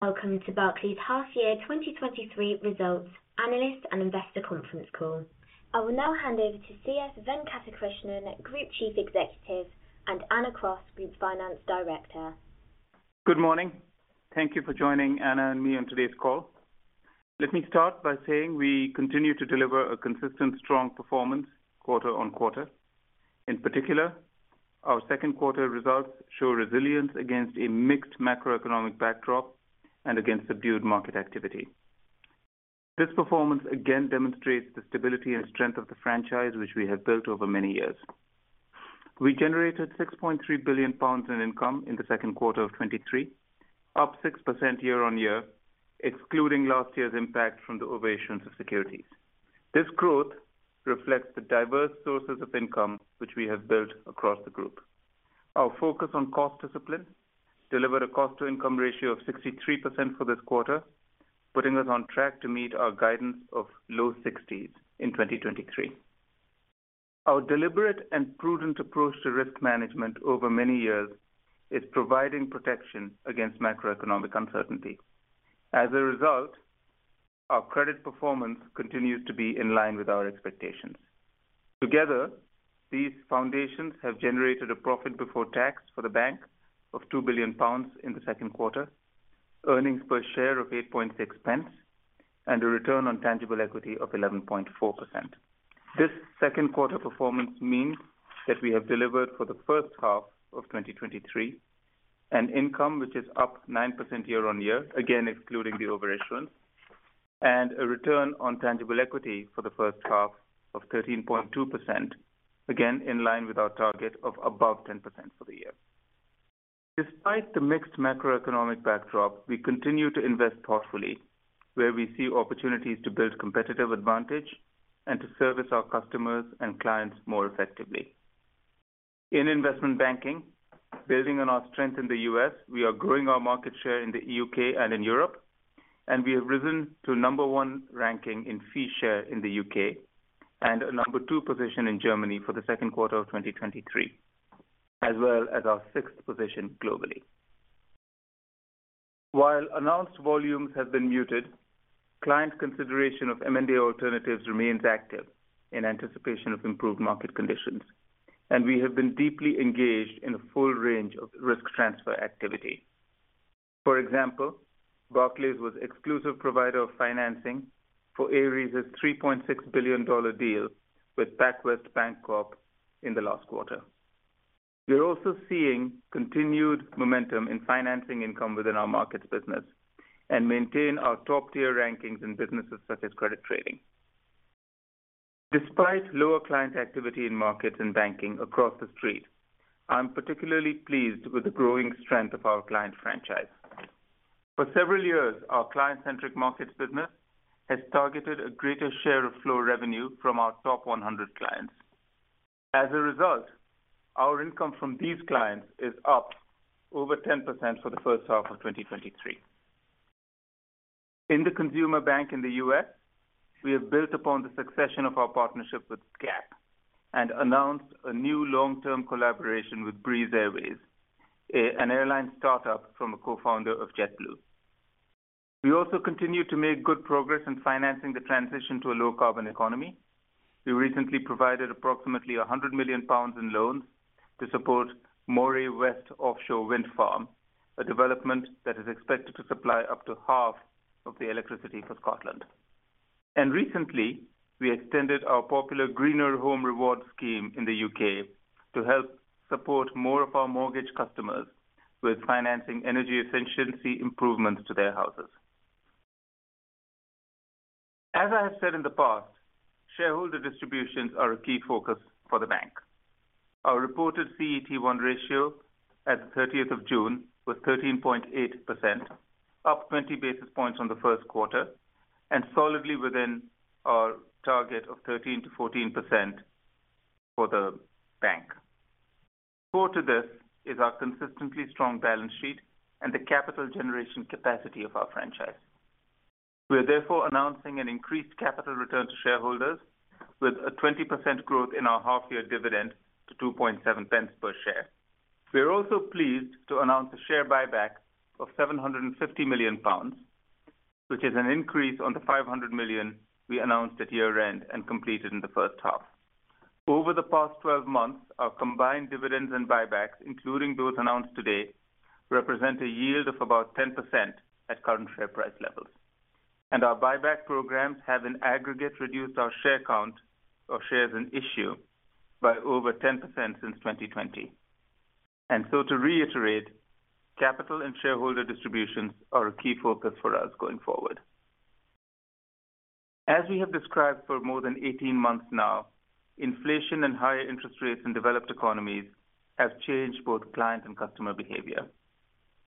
Welcome to Barclays half year 2023 results, analyst and investor conference call. I will now hand over to C.S. Venkatakrishnan, Group Chief Executive, and Anna Cross, Group Finance Director. Good morning. Thank you for joining Anna and me on today's call. Let me start by saying we continue to deliver a consistent strong performance quarter-on-quarter. In particular, our second quarter results show resilience against a mixed macroeconomic backdrop and against subdued market activity. This performance again demonstrates the stability and strength of the franchise, which we have built over many years. We generated 6.3 billion pounds in income in the second quarter of 2023, up 6% year-on-year, excluding last year's impact from the over-issurance of securities. This growth reflects the diverse sources of income which we have built across the group. Our focus on cost discipline delivered a cost-to-income ratio of 63% for this quarter, putting us on track to meet our guidance of low 60s in 2023. Our deliberate and prudent approach to risk management over many years is providing protection against macroeconomic uncertainty. Our credit performance continues to be in line with our expectations. Together, these foundations have generated a profit before tax for the bank of 2 billion pounds in the second quarter, earnings per share of 0.086, and a return on tangible equity of 11.4%. This second quarter performance means that we have delivered for the first half of 2023 an income which is up 9% year-on-year, again, excluding the over-issurance, and a return on tangible equity for the first half of 13.2%, again, in line with our target of above 10% for the year. Despite the mixed macroeconomic backdrop, we continue to invest thoughtfully where we see opportunities to build competitive advantage and to service our customers and clients more effectively. In investment banking, building on our strength in the U.S., we are growing our market share in the U.K. and in Europe, and we have risen to number one ranking in fee share in the U.K., and a number two position in Germany for the second quarter of 2023, as well as our sixth position globally. While announced volumes have been muted, client consideration of M&A alternatives remains active in anticipation of improved market conditions, and we have been deeply engaged in a full range of risk transfer activity. For example, Barclays was exclusive provider of financing for Ares' $3.6 billion deal with PacWest Bancorp in the last quarter. We're also seeing continued momentum in financing income within our markets business and maintain our top-tier rankings in businesses such as credit trading. Despite lower client activity in markets and banking across the street, I'm particularly pleased with the growing strength of our client franchise. For several years, our client-centric markets business has targeted a greater share of flow revenue from our top 100 clients. As a result, our income from these clients is up over 10% for the first half of 2023. In the consumer bank in the U.S., we have built upon the succession of our partnership with Gap and announced a new long-term collaboration with Breeze Airways, an airline startup from a co-founder of JetBlue. We also continue to make good progress in financing the transition to a low-carbon economy. We recently provided approximately 100 million pounds in loans to support Moray West offshore wind farm, a development that is expected to supply up to half of the electricity for Scotland. Recently, we extended our popular Greener Home Reward scheme in the U.K. to help support more of our mortgage customers with financing energy efficiency improvements to their houses. As I have said in the past, shareholder distributions are a key focus for the bank. Our reported CET1 ratio at the 30th of June was 13.8%, up 20 basis points from the 1st quarter, and solidly within our target of 13%-14% for the bank. Core to this is our consistently strong balance sheet and the capital generation capacity of our franchise. We are therefore announcing an increased capital return to shareholders with a 20% growth in our half year dividend to 0.027 per share. We are also pleased to announce a share buyback of 750 million pounds, which is an increase on the 500 million we announced at year-end and completed in the first half. Over the past 12 months, our combined dividends and buybacks, including those announced today, represent a yield of about 10% at current share price levels. Our buyback programs have in aggregate reduced our share count of shares and issue by over 10% since 2020. To reiterate, capital and shareholder distributions are a key focus for us going forward. As we have described for more than 18 months now, inflation and higher interest rates in developed economies have changed both client and customer behavior.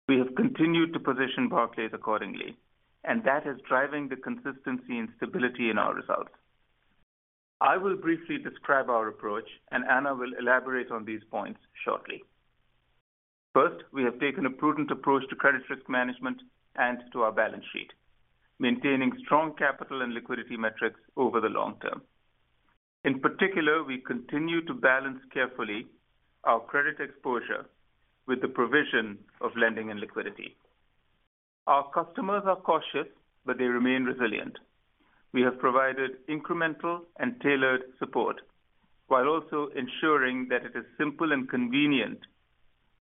We have continued to position Barclays accordingly. That is driving the consistency and stability in our results. I will briefly describe our approach. Anna will elaborate on these points shortly. First, we have taken a prudent approach to credit risk management and to our balance sheet, maintaining strong capital and liquidity metrics over the long term. In particular, we continue to balance carefully our credit exposure with the provision of lending and liquidity. Our customers are cautious. They remain resilient. We have provided incremental and tailored support, while also ensuring that it is simple and convenient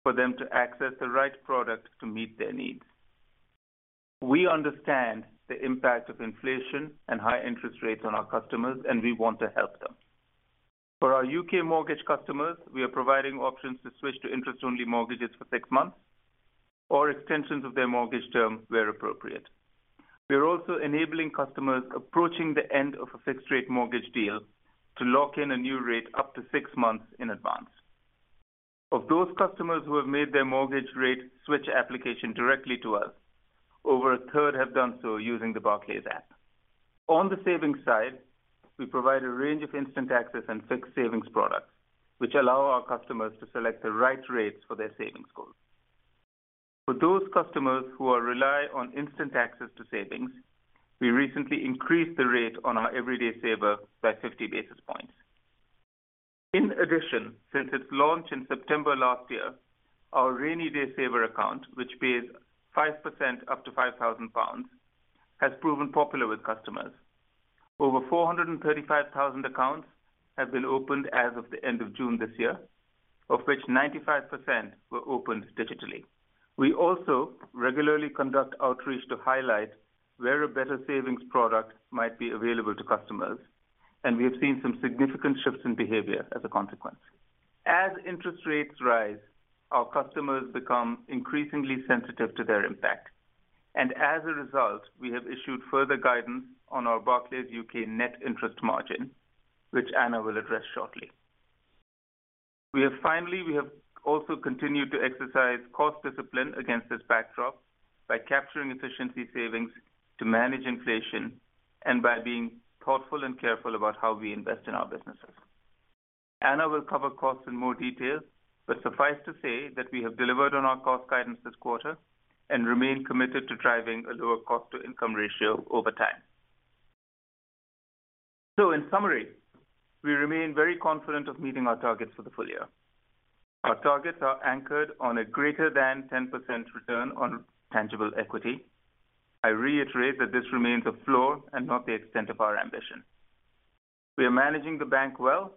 for them to access the right product to meet their needs. We understand the impact of inflation and high interest rates on our customers, and we want to help them. For our U.K. mortgage customers, we are providing options to switch to interest-only mortgages for six months, or extensions of their mortgage term where appropriate. We are also enabling customers approaching the end of a fixed-rate mortgage deal to lock in a new rate up to six months in advance. Of those customers who have made their mortgage rate switch application directly to us, over a third have done so using the Barclays app. On the savings side, we provide a range of instant access and fixed savings products, which allow our customers to select the right rates for their savings goals. For those customers who rely on instant access to savings, we recently increased the rate on our Everyday Saver by 50 basis points. Since its launch in September last year, our Rainy Day Saver, which pays 5% up to 5,000 pounds, has proven popular with customers. Over 435,000 accounts have been opened as of the end of June this year, of which 95% were opened digitally. We also regularly conduct outreach to highlight where a better savings product might be available to customers, and we have seen some significant shifts in behavior as a consequence. As interest rates rise, our customers become increasingly sensitive to their impact. As a result, we have issued further guidance on our Barclays UK net interest margin, which Anna will address shortly. Finally, we have also continued to exercise cost discipline against this backdrop by capturing efficiency savings to manage inflation and by being thoughtful and careful about how we invest in our businesses. Anna will cover costs in more detail, suffice to say that we have delivered on our cost guidance this quarter and remain committed to driving a lower cost-to-income ratio over time. In summary, we remain very confident of meeting our targets for the full year. Our targets are anchored on a greater than 10% return on tangible equity. I reiterate that this remains a floor and not the extent of our ambition. We are managing the bank well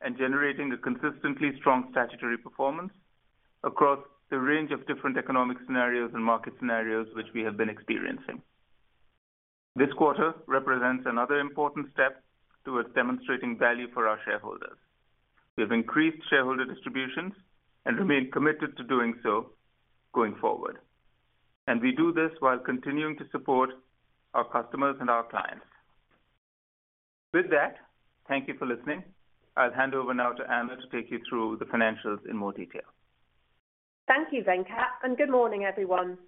and generating a consistently strong statutory performance across the range of different economic scenarios and market scenarios, which we have been experiencing. This quarter represents another important step towards demonstrating value for our shareholders. We have increased shareholder distributions and remain committed to doing so going forward, and we do this while continuing to support our customers and our clients. With that, thank you for listening. I'll hand over now to Anna to take you through the financials in more detail. Thank you, Venkat. Good morning, everyone.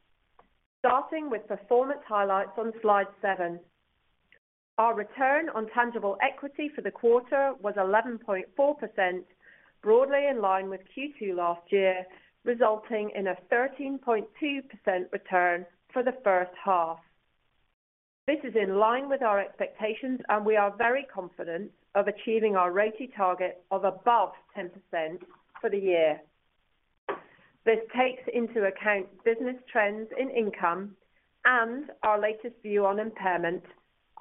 Starting with performance highlights on Slide 7. Our return on tangible equity for the quarter was 11.4%, broadly in line with Q2 last year, resulting in a 13.2% return for the first half. This is in line with our expectations. We are very confident of achieving our RoTE target of above 10% for the year. This takes into account business trends in income and our latest view on impairment.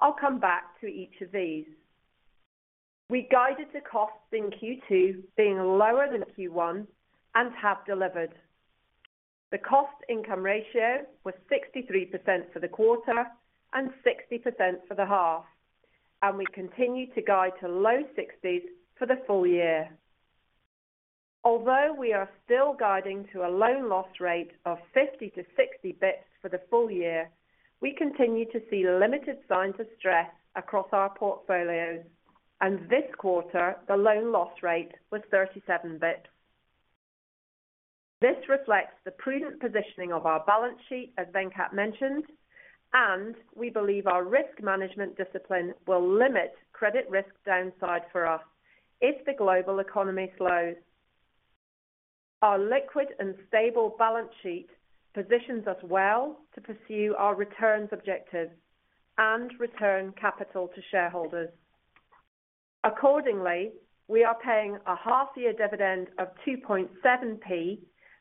I'll come back to each of these. We guided the costs in Q2 being lower than Q1 and have delivered. The cost-to-income ratio was 63% for the quarter and 60% for the half, and we continue to guide to low 60s for the full year. Although we are still guiding to a loan loss rate of 50-60 bps for the full year, we continue to see limited signs of stress across our portfolios, and this quarter, the loan loss rate was 37 bps. This reflects the prudent positioning of our balance sheet, as Venkat mentioned, and we believe our risk management discipline will limit credit risk downside for us if the global economy slows. Our liquid and stable balance sheet positions us well to pursue our returns objectives and return capital to shareholders. Accordingly, we are paying a half year dividend of 0.027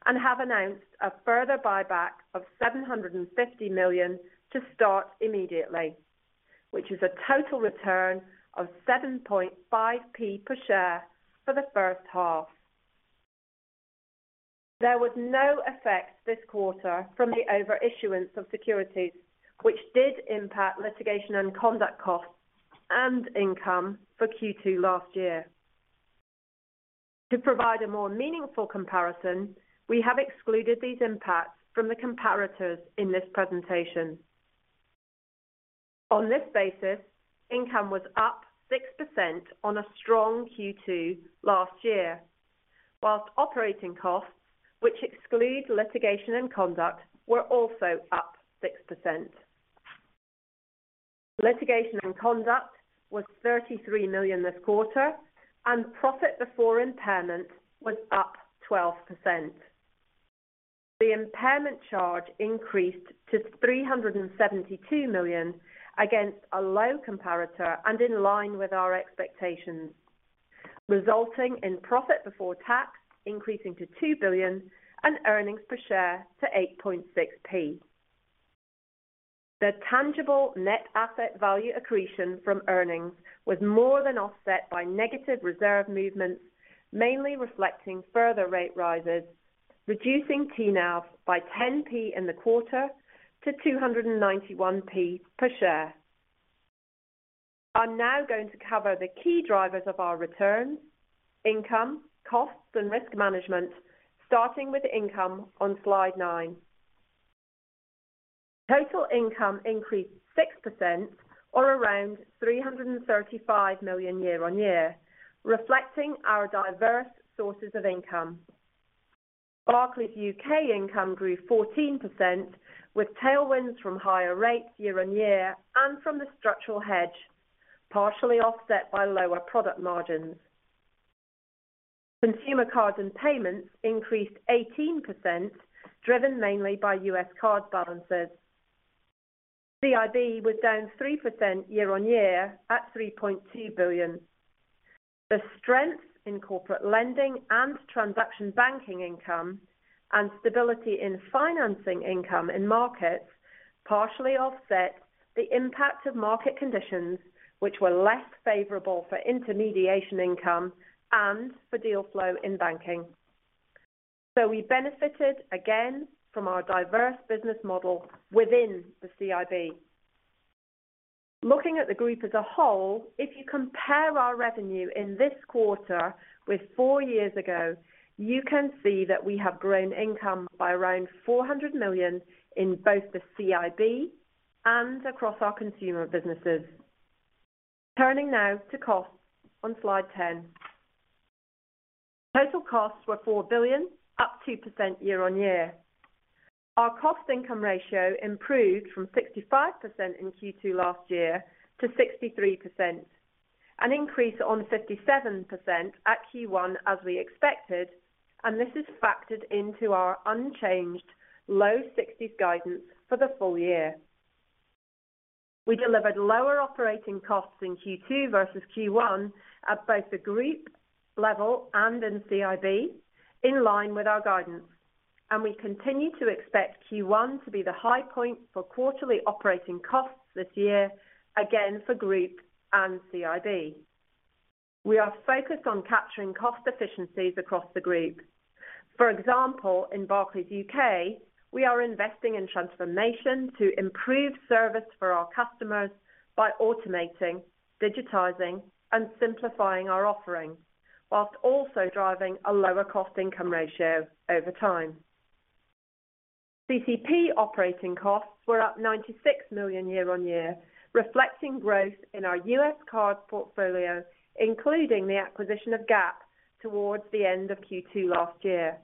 and have announced a further buyback of 750 million to start immediately, which is a total return of 0.075 per share for the first half. There was no effect this quarter from the over-issurance of securities, which did impact litigation and conduct costs and income for Q2 last year. To provide a more meaningful comparison, we have excluded these impacts from the comparators in this presentation. On this basis, income was up 6% on a strong Q2 last year, whilst operating costs, which exclude litigation and conduct, were also up 6%. Litigation and conduct was 33 million this quarter, and profit before impairment was up 12%. The impairment charge increased to 372 million against a low comparator and in line with our expectations, resulting in profit before tax, increasing to 2 billion and earnings per share to 0.086. The tangible net asset value accretion from earnings was more than offset by negative reserve movements, mainly reflecting further rate rises, reducing TNAV by 0.10 in the quarter to 2.91 per share. I'm now going to cover the key drivers of our returns, income, costs, and risk management, starting with income on Slide 9. Total income increased 6% or around 335 million year-on-year, reflecting our diverse sources of income. Barclays UK income grew 14%, with tailwinds from higher rates year-on-year, and from the structural hedge, partially offset by lower product margins. Consumer, Cards and Payments increased 18%, driven mainly by U.S. card balances. CIB was down 3% year-on-year, at 3.2 billion. The strength in corporate lending and transaction banking income and stability in financing income in markets, partially offset the impact of market conditions, which were less favorable for intermediation income and for deal flow in banking. We benefited again from our diverse business model within the CIB. Looking at the group as a whole, if you compare our revenue in this quarter with four years ago, you can see that we have grown income by around 400 million in both the CIB and across our consumer businesses. Turning now to costs on Slide 10. Total costs were 4 billion, up 2% year-on-year. Our cost-to-income ratio improved from 65% in Q2 last year to 63%, an increase on 57% at Q1 as we expected, and this is factored into our unchanged low 60s guidance for the full year. We delivered lower operating costs in Q2 versus Q1 at both the group level and in CIB, in line with our guidance. We continue to expect Q1 to be the high point for quarterly operating costs this year, again, for group and CIB. We are focused on capturing cost efficiencies across the group. For example, in Barclays UK, we are investing in transformation to improve service for our customers by automating, digitizing, and simplifying our offerings, whilst also driving a lower cost-to-income ratio over time. CCP operating costs were up $96 million year-over-year, reflecting growth in our U.S. card portfolio, including the acquisition of Gap towards the end of Q2 last year,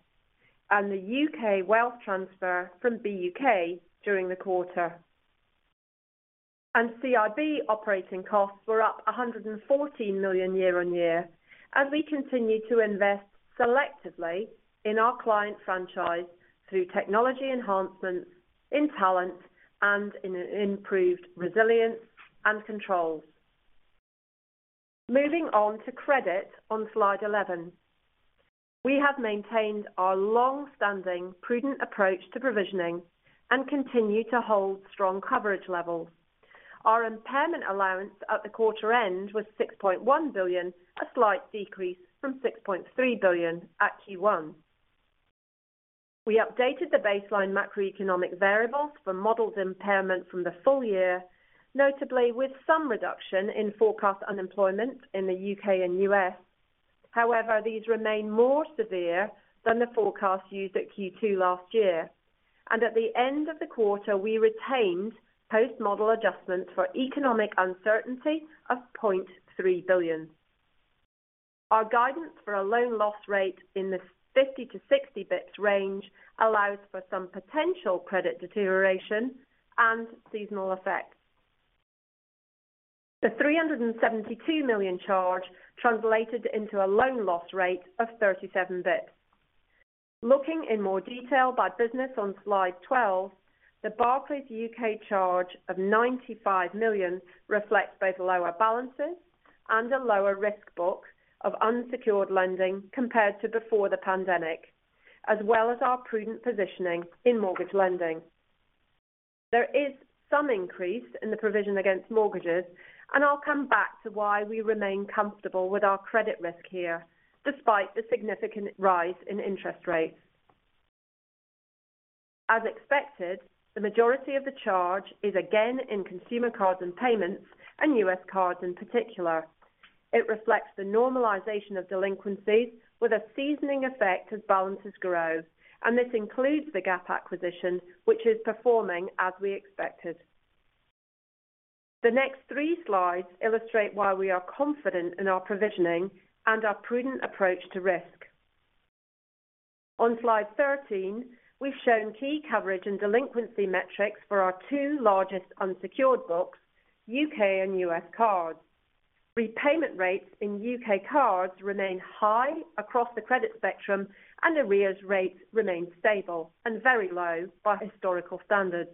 and the UK Wealth transfer from BUK during the quarter. CIB operating costs were up 114 million year-on-year, as we continue to invest selectively in our client franchise through technology enhancements, in talent, and in improved resilience and controls. Moving on to credit on Slide 11. We have maintained our long-standing prudent approach to provisioning and continue to hold strong coverage levels. Our impairment allowance at the quarter end was 6.1 billion, a slight decrease from 6.3 billion at Q1. We updated the baseline macroeconomic variables for modeled impairment from the full year, notably with some reduction in forecast unemployment in the U.K. and U.S. These remain more severe than the forecast used at Q2 last year, and at the end of the quarter, we retained post-model adjustments for economic uncertainty of 0.3 billion. Our guidance for a loan loss rate in the 50-60 bps range allows for some potential credit deterioration and seasonal effects. The 372 million charge translated into a loan loss rate of 37 bps. Looking in more detail by business on Slide 12, the Barclays UK charge of 95 million reflects both lower balances and a lower risk book of unsecured lending compared to before the pandemic, as well as our prudent positioning in mortgage lending. There is some increase in the provision against mortgages, I'll come back to why we remain comfortable with our credit risk here, despite the significant rise in interest rates. As expected, the majority of the charge is again in Consumer, Cards and Payments, U.S. cards in particular. It reflects the normalization of delinquencies with a seasoning effect as balances grow. This includes the Gap acquisition, which is performing as we expected. The next three slides illustrate why we are confident in our provisioning and our prudent approach to risk. On Slide 13, we've shown key coverage and delinquency metrics for our two largest unsecured books, U.K. and U.S. cards. Repayment rates in U.K. cards remain high across the credit spectrum. Arrears rates remain stable and very low by historical standards.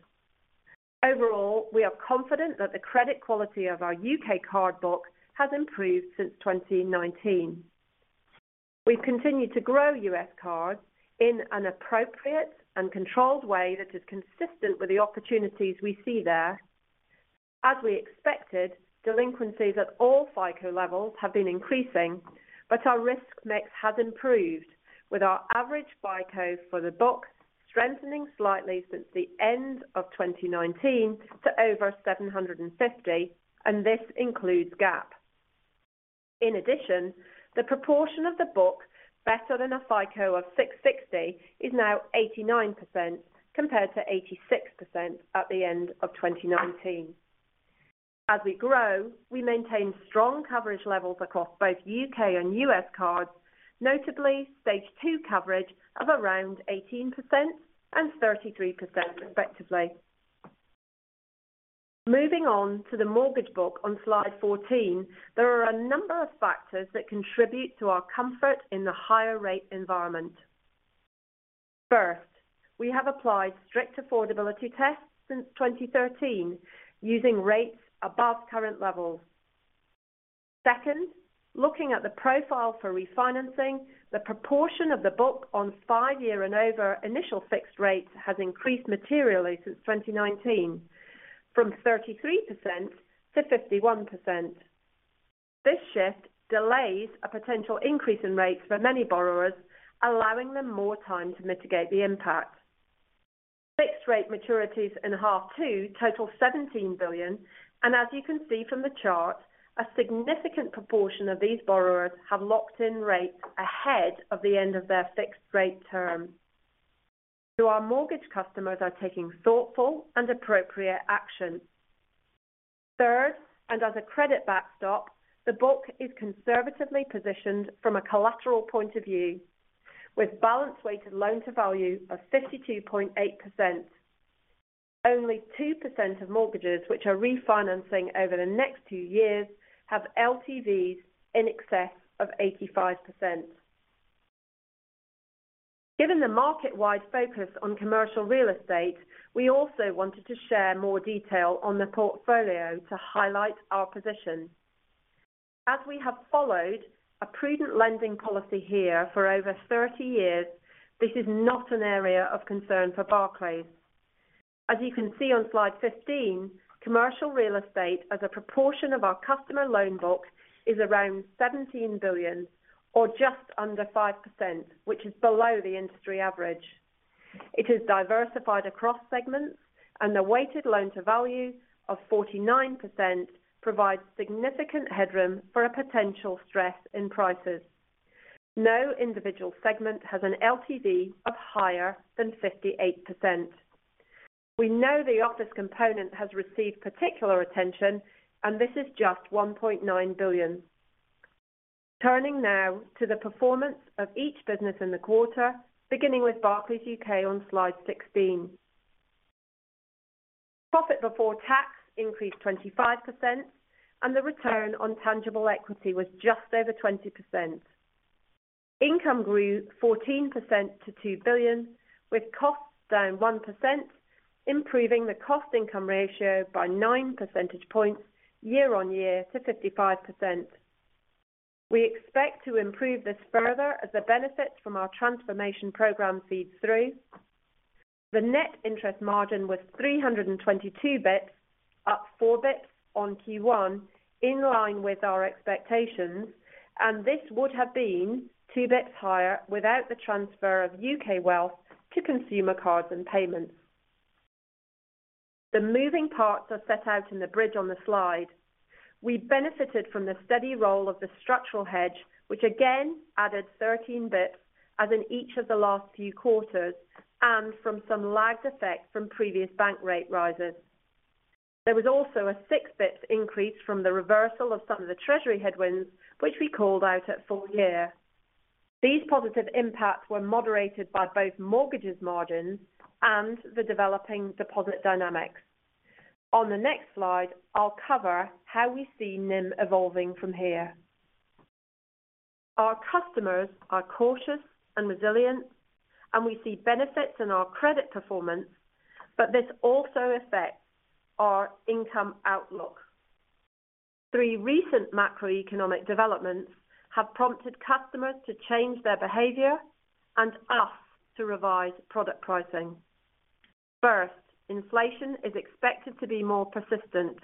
Overall, we are confident that the credit quality of our U.K. card book has improved since 2019. We've continued to grow U.S. cards in an appropriate and controlled way that is consistent with the opportunities we see there. Delinquencies at all FICO levels have been increasing. Our risk mix has improved, with our average FICO for the book strengthening slightly since the end of 2019 to over 750, and this includes Gap. In addition, the proportion of the book better than a FICO of 660 is now 89%, compared to 86% at the end of 2019. We maintain strong coverage levels across both U.K. and U.S. cards, notably Stage 2 coverage of around 18% and 33% respectively. Moving on to the mortgage book on Slide 14, there are a number of factors that contribute to our comfort in the higher rate environment. First, we have applied strict affordability tests since 2013, using rates above current levels. Looking at the profile for refinancing, the proportion of the book on five-year and over initial fixed rates has increased materially since 2019, from 33% to 51%. This shift delays a potential increase in rates for many borrowers, allowing them more time to mitigate the impact. Fixed rate maturities in half two total 17 billion. As you can see from the chart, a significant proportion of these borrowers have locked in rates ahead of the end of their fixed rate term. Our mortgage customers are taking thoughtful and appropriate action. As a credit backstop, the book is conservatively positioned from a collateral point of view, with balance weighted loan-to-value of 52.8%. Only 2% of mortgages, which are refinancing over the next two years, have LTVs in excess of 85%. Given the market-wide focus on commercial real estate, we also wanted to share more detail on the portfolio to highlight our position. As we have followed a prudent lending policy here for over 30 years, this is not an area of concern for Barclays. As you can see on Slide 15, commercial real estate as a proportion of our customer loan book, is around 17 billion, or just under 5%, which is below the industry average. It is diversified across segments, and the weighted loan-to-value of 49% provides significant headroom for a potential stress in prices. No individual segment has an LTV of higher than 58%. We know the office component has received particular attention, and this is just 1.9 billion. Turning now to the performance of each business in the quarter, beginning with Barclays UK on Slide 16. Profit before tax increased 25%, and the return on tangible equity was just over 20%. Income grew 14% to 2 billion, with costs down 1%, improving the cost-to-income ratio by 9 percentage points year-over-year to 55%. We expect to improve this further as the benefits from our transformation program feeds through. The net interest margin was 322 bps, up 4 bps on Q1, in line with our expectations, and this would have been 2 bps higher without the transfer of UK Wealth to Consumer, Cards and Payments. The moving parts are set out in the bridge on the slide. We benefited from the steady roll of the structural hedge, which again added 13 bps, as in each of the last few quarters, and from some lagged effect from previous bank rate rises. There was also a 6 bps increase from the reversal of some of the treasury headwinds, which we called out at full year. These positive impacts were moderated by both mortgage margins and the developing deposit dynamics. On the next slide, I'll cover how we see NIM evolving from here. Our customers are cautious and resilient, and we see benefits in our credit performance, but this also affects our income outlook. Three recent macroeconomic developments have prompted customers to change their behavior and us to revise product pricing. First, inflation is expected to be more persistent.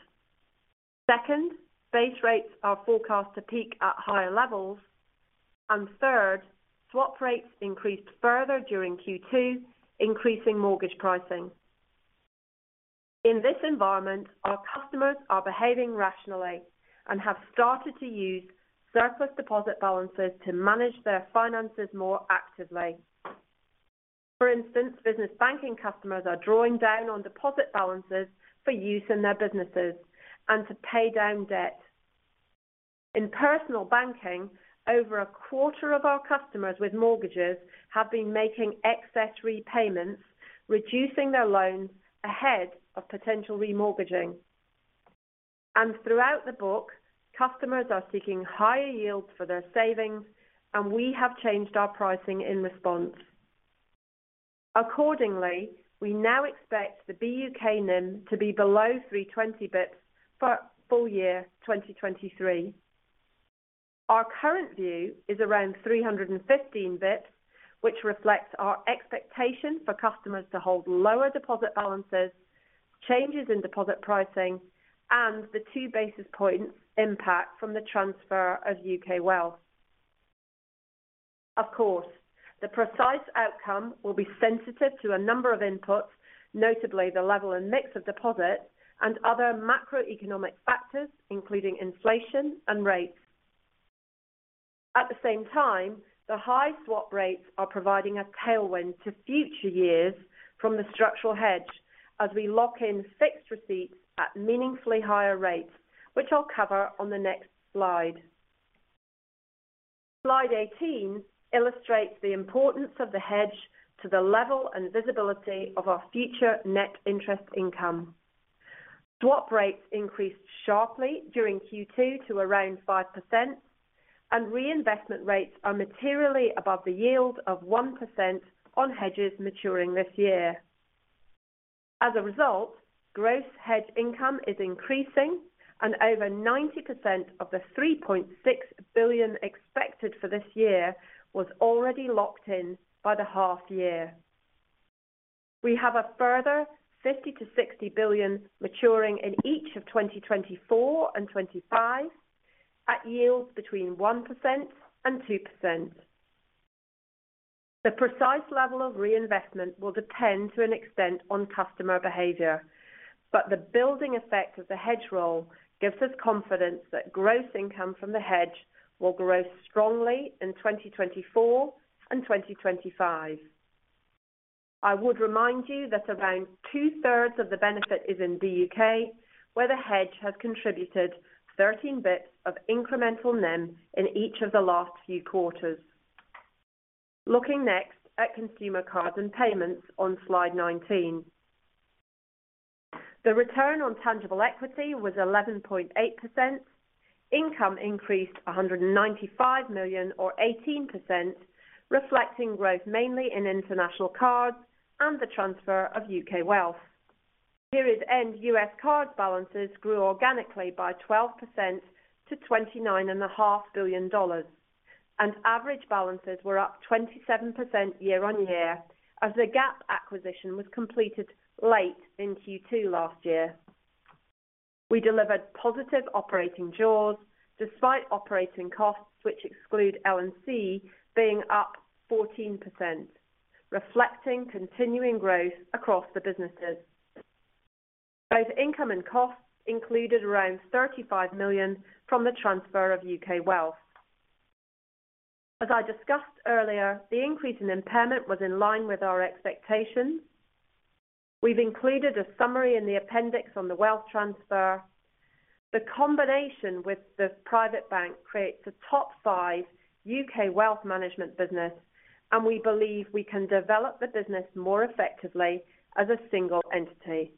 Second, base rates are forecast to peak at higher levels. Third, swap rates increased further during Q2, increasing mortgage pricing. In this environment, our customers are behaving rationally and have started to use surplus deposit balances to manage their finances more actively. For instance, business banking customers are drawing down on deposit balances for use in their businesses and to pay down debt. In personal banking, over a quarter of our customers with mortgages have been making excess repayments, reducing their loans ahead of potential remortgaging. Throughout the book, customers are seeking higher yields for their savings, and we have changed our pricing in response. Accordingly, we now expect the BUK NIM to be below 320 basis points for full year 2023. Our current view is around 315 basis points, which reflects our expectation for customers to hold lower deposit balances, changes in deposit pricing, and the 2 basis points impact from the transfer of UK Wealth. The precise outcome will be sensitive to a number of inputs, notably the level and mix of deposits and other macroeconomic factors, including inflation and rates. At the same time, the high swap rates are providing a tailwind to future years from the structural hedge as we lock in fixed receipts at meaningfully higher rates, which I'll cover on the next slide. Slide 18 illustrates the importance of the hedge to the level and visibility of our future net interest income. Swap rates increased sharply during Q2 to around 5%, and reinvestment rates are materially above the yield of 1% on hedges maturing this year. As a result, gross hedge income is increasing, and over 90% of the 3.6 billion expected for this year was already locked in by the half year. We have a further 50 billion-60 billion maturing in each of 2024 and 2025, at yields between 1% and 2%. The precise level of reinvestment will depend to an extent on customer behavior. The building effect of the hedge roll gives us confidence that gross income from the hedge will grow strongly in 2024 and 2025. I would remind you that around two-thirds of the benefit is in the U.K., where the hedge has contributed 13 bps of incremental NIM in each of the last few quarters. Looking next at Consumer, Cards and Payments on Slide 19. The return on tangible equity was 11.8%. Income increased 195 million or 18%, reflecting growth mainly in international cards and the transfer of UK Wealth. Period end, U.S. card balances grew organically by 12% to $29.5 billion, and average balances were up 27% year-on-year, as the Gap acquisition was completed late in Q2 last year. We delivered positive operating jaws despite operating costs, which exclude L&C being up 14%, reflecting continuing growth across the businesses. Both income and costs included around 35 million from the transfer of UK Wealth. As I discussed earlier, the increase in impairment was in line with our expectations. We've included a summary in the appendix on the wealth transfer. The combination with the private bank creates a top five UK wealth management business. We believe we can develop the business more effectively as a single entity.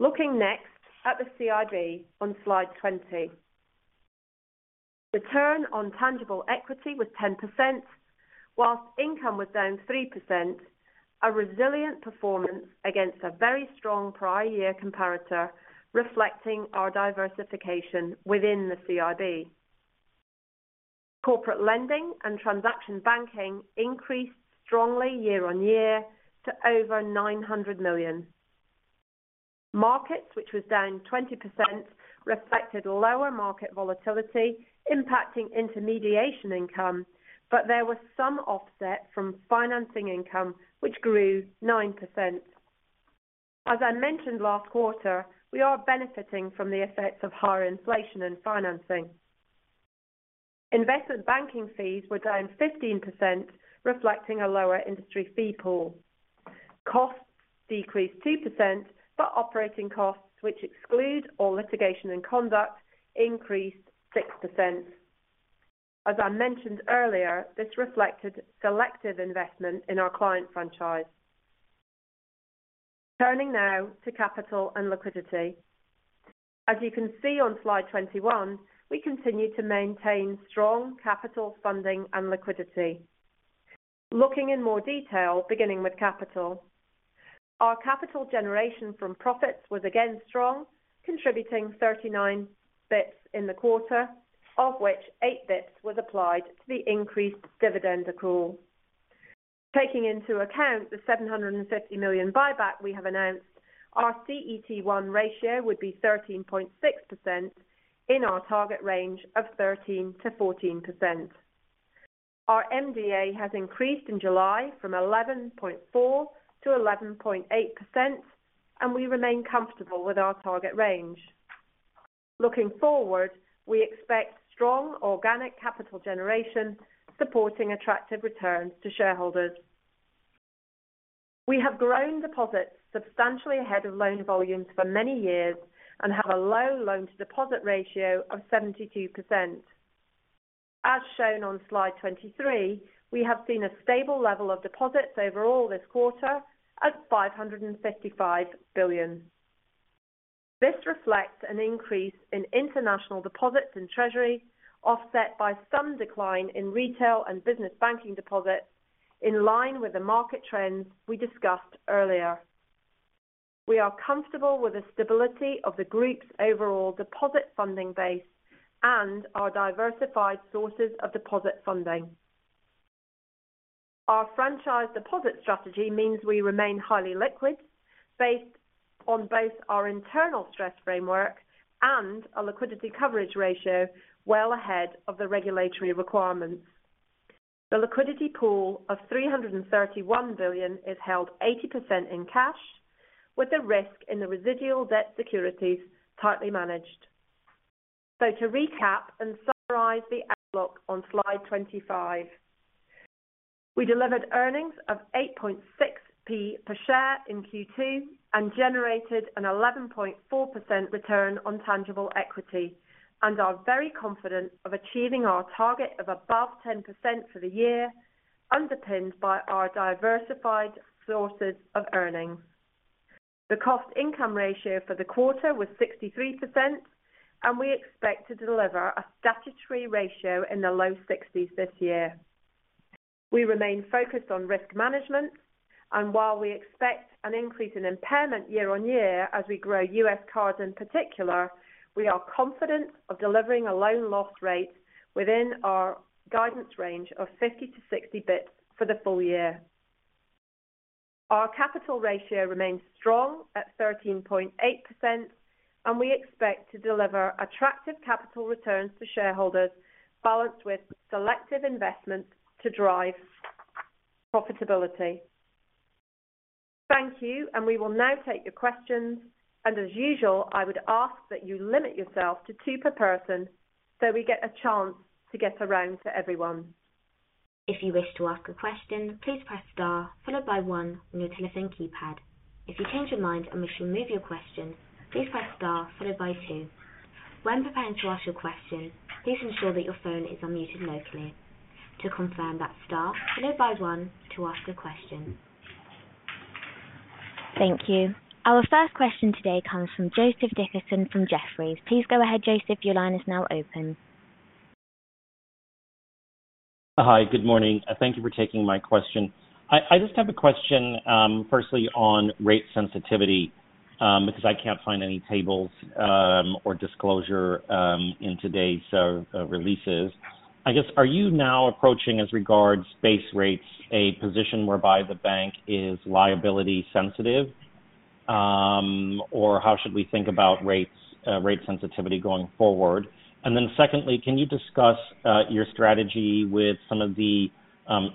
Looking next at the CIB on Slide 20. Return on tangible equity was 10%, whilst income was down 3%, a resilient performance against a very strong prior year comparator, reflecting our diversification within the CIB. Corporate lending and transaction banking increased strongly year-on-year to over 900 million. Markets, which was down 20%, reflected lower market volatility impacting intermediation income, but there was some offset from financing income, which grew 9%. As I mentioned last quarter, we are benefiting from the effects of higher inflation and financing. Investment banking fees were down 15%, reflecting a lower industry fee pool. Costs decreased 2%, but operating costs, which exclude all L&C, increased 6%. As I mentioned earlier, this reflected selective investment in our client franchise. Turning now to capital and liquidity. As you can see on Slide 21, we continue to maintain strong capital funding and liquidity. Looking in more detail, beginning with capital. Our capital generation from profits was again strong, contributing 39 bps in the quarter, of which 8 bps was applied to the increased dividend accrual. Taking into account the 750 million buyback we have announced, our CET1 ratio would be 13.6% in our target range of 13%-14%. Our MDA has increased in July from 11.4%-11.8%, and we remain comfortable with our target range. Looking forward, we expect strong organic capital generation, supporting attractive returns to shareholders. We have grown deposits substantially ahead of loan volumes for many years and have a low loan-to-deposit ratio of 72%. As shown on Slide 23, we have seen a stable level of deposits overall this quarter at 555 billion. This reflects an increase in international deposits and treasury, offset by some decline in retail and business banking deposits, in line with the market trends we discussed earlier. We are comfortable with the stability of the group's overall deposit funding base and our diversified sources of deposit funding. Our franchise deposit strategy means we remain highly liquid, based on both our internal stress framework and a liquidity coverage ratio well ahead of the regulatory requirements. The liquidity pool of 331 billion is held 80% in cash, with the risk in the residual debt securities tightly managed. To recap and summarize the outlook on Slide 25, we delivered earnings of 0.086 per share in Q2, and generated an 11.4% return on tangible equity, and are very confident of achieving our target of above 10% for the year, underpinned by our diversified sources of earnings. The cost income ratio for the quarter was 63%. We expect to deliver a statutory ratio in the low 60s this year. We remain focused on risk management. While we expect an increase in impairment year-on-year as we grow U.S. cards in particular, we are confident of delivering a loan loss rate within our guidance range of 50-60 bps for the full year. Our capital ratio remains strong at 13.8%. We expect to deliver attractive capital returns to shareholders, balanced with selective investments to drive profitability. Thank you. We will now take your questions. As usual, I would ask that you limit yourself to two per person, so we get a chance to get around to everyone. If you wish to ask a question, please press star followed by one on your telephone keypad. If you change your mind and wish to remove your question, please press star followed by two. When preparing to ask your question, please ensure that your phone is unmuted locally. To confirm, that's star followed by one to ask a question. Thank you. Our first question today comes from Joseph Dickerson from Jefferies. Please go ahead, Joseph. Your line is now open. Hi, good morning. Thank you for taking my question. I just have a question, firstly on rate sensitivity, because I can't find any tables or disclosure in today's releases. I guess, are you now approaching, as regards base rates, a position whereby the bank is liability sensitive? How should we think about rates, rate sensitivity going forward? Then secondly, can you discuss your strategy with some of the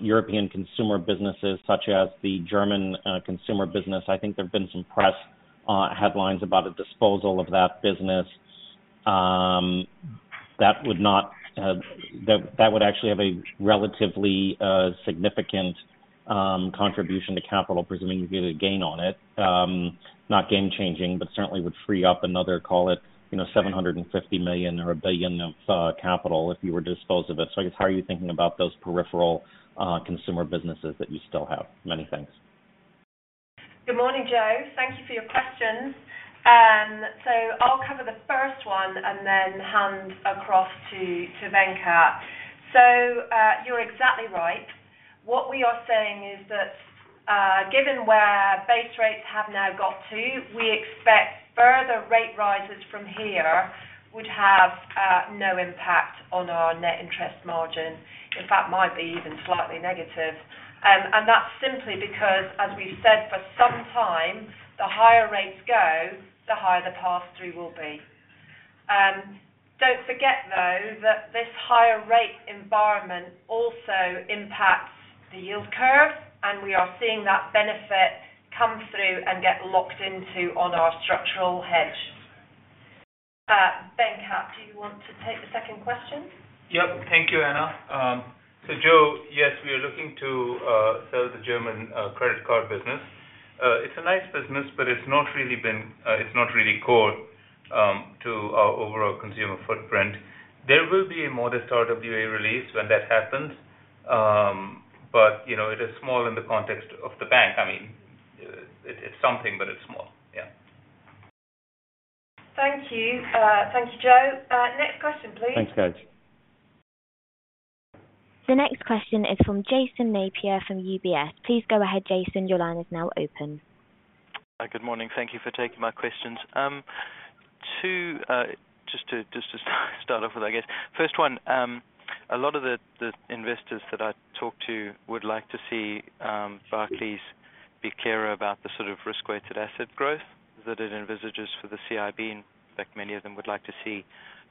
European consumer businesses, such as the German consumer business? I think there have been some press headlines about a disposal of that business. That would not... That would actually have a relatively significant contribution to capital, presuming you get a gain on it. Not game changing, but certainly would free up another, call it, you know, 750 million or 1 billion of capital if you were to dispose of it. I guess, how are you thinking about those peripheral consumer businesses that you still have? Many thanks. Good morning, Joe. Thank you for your questions. I'll cover the first one and then hand across to Venkat. You're exactly right. What we are saying is that given where base rates have now got to, we expect further rate rises from here would have no impact on our net interest margin. In fact, might be even slightly negative. That's simply because, as we've said for some time, the higher rates go, the higher the pass-through will be. Don't forget, though, that this higher rate environment also impacts the yield curve, and we are seeing that benefit come through and get locked into on our structural hedge. Venkat, do you want to take the second question? Yep. Thank you, Anna. Joe, yes, we are looking to sell the German credit card business. It's a nice business, but it's not really core to our overall consumer footprint. There will be a modest RWA release when that happens, you know, it is small in the context of the bank. I mean, it's something, but it's small. Yeah. Thank you. Thank you, Joe. Next question, please? Thanks, guys. The next question is from Jason Napier from UBS. Please go ahead, Jason, your line is now open. Hi, good morning. Thank you for taking my questions. Just to start off with, I guess. First one, a lot of the investors that I talk to would like to see Barclays be clearer about the sort of risk-weighted asset growth that it envisages for the CIB. Many of them would like to see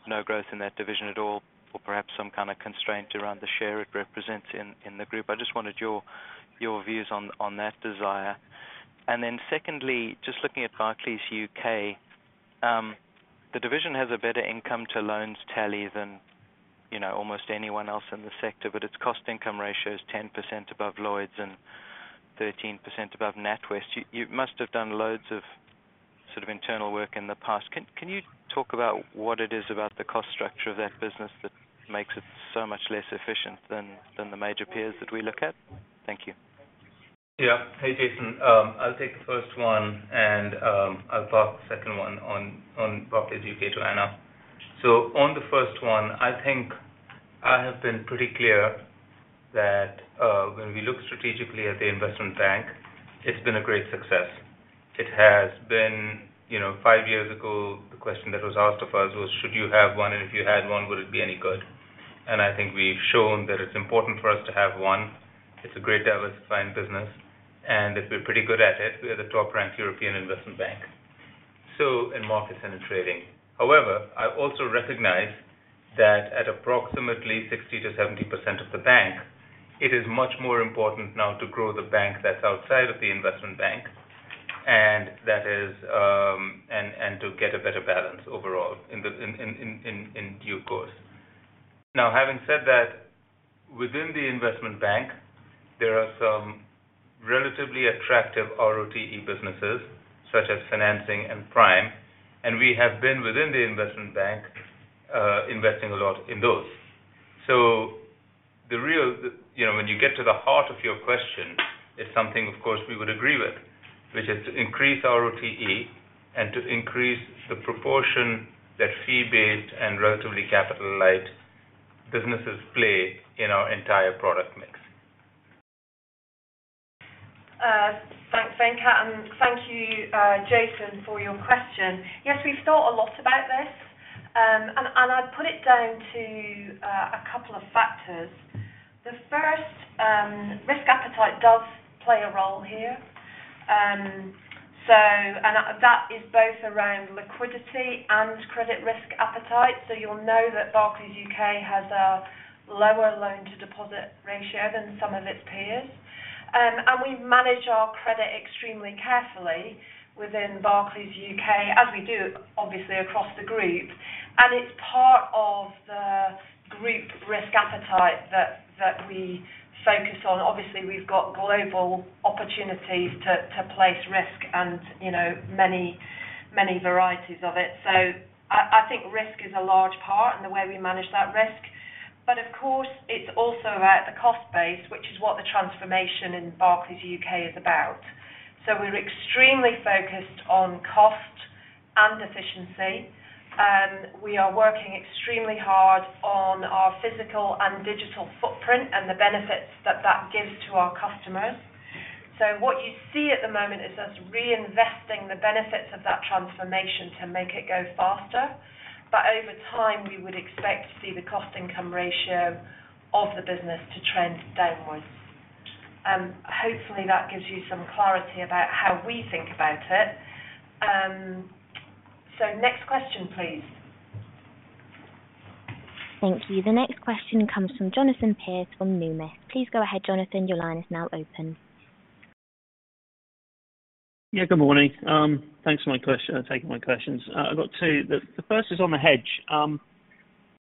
no growth in that division at all, or perhaps some kind of constraint around the share it represents in the group. I just wanted your views on that desire. Secondly, just looking at Barclays UK, the division has a better income to loans tally than, you know, almost anyone else in the sector, but its cost-to-income ratio is 10% above Lloyds and 13% above NatWest. You must have done loads of.... sort of internal work in the past. Can you talk about what it is about the cost structure of that business that makes it so much less efficient than the major peers that we look at? Thank you. Yeah. Hey, Jason. I'll take the first one, and I'll pass the second one on Barclays UK to Anna. On the first one, I think I have been pretty clear that when we look strategically at the investment bank, it's been a great success. It has been, you know, five years ago, the question that was asked of us was: should you have one? If you had one, would it be any good? I think we've shown that it's important for us to have one. It's a great diversified business, and we're pretty good at it. We are the top-ranked European investment bank, so in markets and in trading. However, I also recognize that at approximately 60%-70% of the bank, it is much more important now to grow the bank that's outside of the investment bank, that is... To get a better balance overall in due course. Having said that, within the investment bank, there are some relatively attractive RoTE businesses such as financing and prime, and we have been within the investment bank, investing a lot in those. The real, you know, when you get to the heart of your question, it's something, of course, we would agree with, which is to increase RoTE and to increase the proportion that fee-based and relatively capital-light businesses play in our entire product mix. Thanks, Venkat, and thank you, Jason, for your question. Yes, we've thought a lot about this. I'd put it down to a couple of factors. The first, risk appetite does play a role here. That is both around liquidity and credit risk appetite. You'll know that Barclays UK has a lower loan-to-deposit ratio than some of its peers. We manage our credit extremely carefully within Barclays UK, as we do, obviously, across the group, and it's part of the group risk appetite that we focus on. Obviously, we've got global opportunities to place risk and, you know, many varieties of it. I think risk is a large part in the way we manage that risk. Of course, it's also about the cost base, which is what the transformation in Barclays UK is about. We're extremely focused on cost and efficiency, and we are working extremely hard on our physical and digital footprint and the benefits that that gives to our customers. What you see at the moment is us reinvesting the benefits of that transformation to make it go faster. Over time, we would expect to see the cost-to-income ratio of the business to trend downwards. Hopefully, that gives you some clarity about how we think about it. Next question, please? Thank you. The next question comes from Jonathan Pierce from Numis. Please go ahead, Jonathan. Your line is now open. Yeah, good morning. Thanks for my question, taking my questions. I've got two. The first is on the hedge.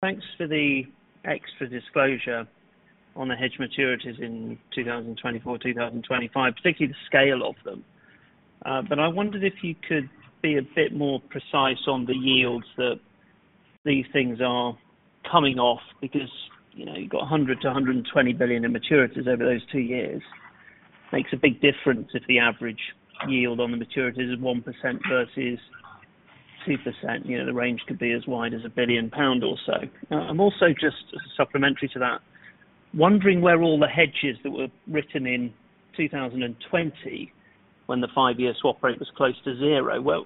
Thanks for the extra disclosure on the hedge maturities in 2024, 2025, particularly the scale of them. I wondered if you could be a bit more precise on the yields that these things are coming off, because, you know, you've got 100 billion-120 billion in maturities over those two years. Makes a big difference if the average yield on the maturities is 1% versus 2%. You know, the range could be as wide as 1 billion pound or so. I'm also just supplementary to that, wondering where all the hedges that were written in 2020, when the five-year swap rate was close to zero, well,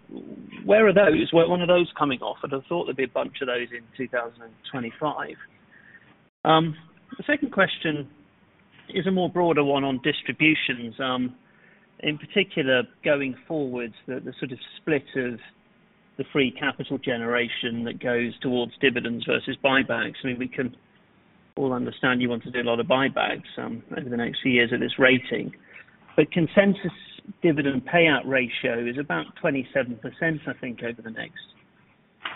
where are those? When are those coming off? I thought there'd be a bunch of those in 2025. The second question is a more broader one on distributions. In particular, going forward, the sort of split of the free capital generation that goes towards dividends versus buybacks. I mean, we can all understand you want to do a lot of buybacks over the next few years at this rating. Consensus dividend payout ratio is about 27%, I think, over the next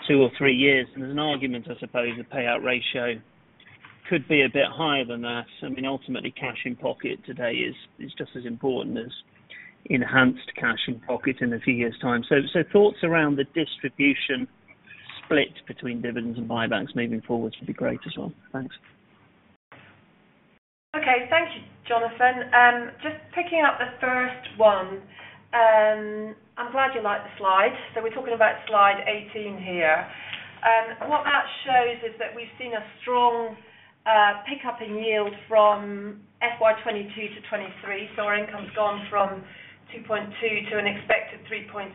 two or three years. There's an argument, I suppose, the payout ratio could be a bit higher than that. I mean, ultimately, cash in pocket today is just as important as enhanced cash in pocket in a few years' time. Thoughts around the distribution split between dividends and buybacks moving forward would be great as well. Thanks. Okay. Thank you, Jonathan. Just picking up the first one, I'm glad you like the slide. We're talking about Slide 18 here. What that shows is that we've seen a strong pick up in yield from FY 2022 to 2023. Our income's gone from 2.2 billion to an expected 3.6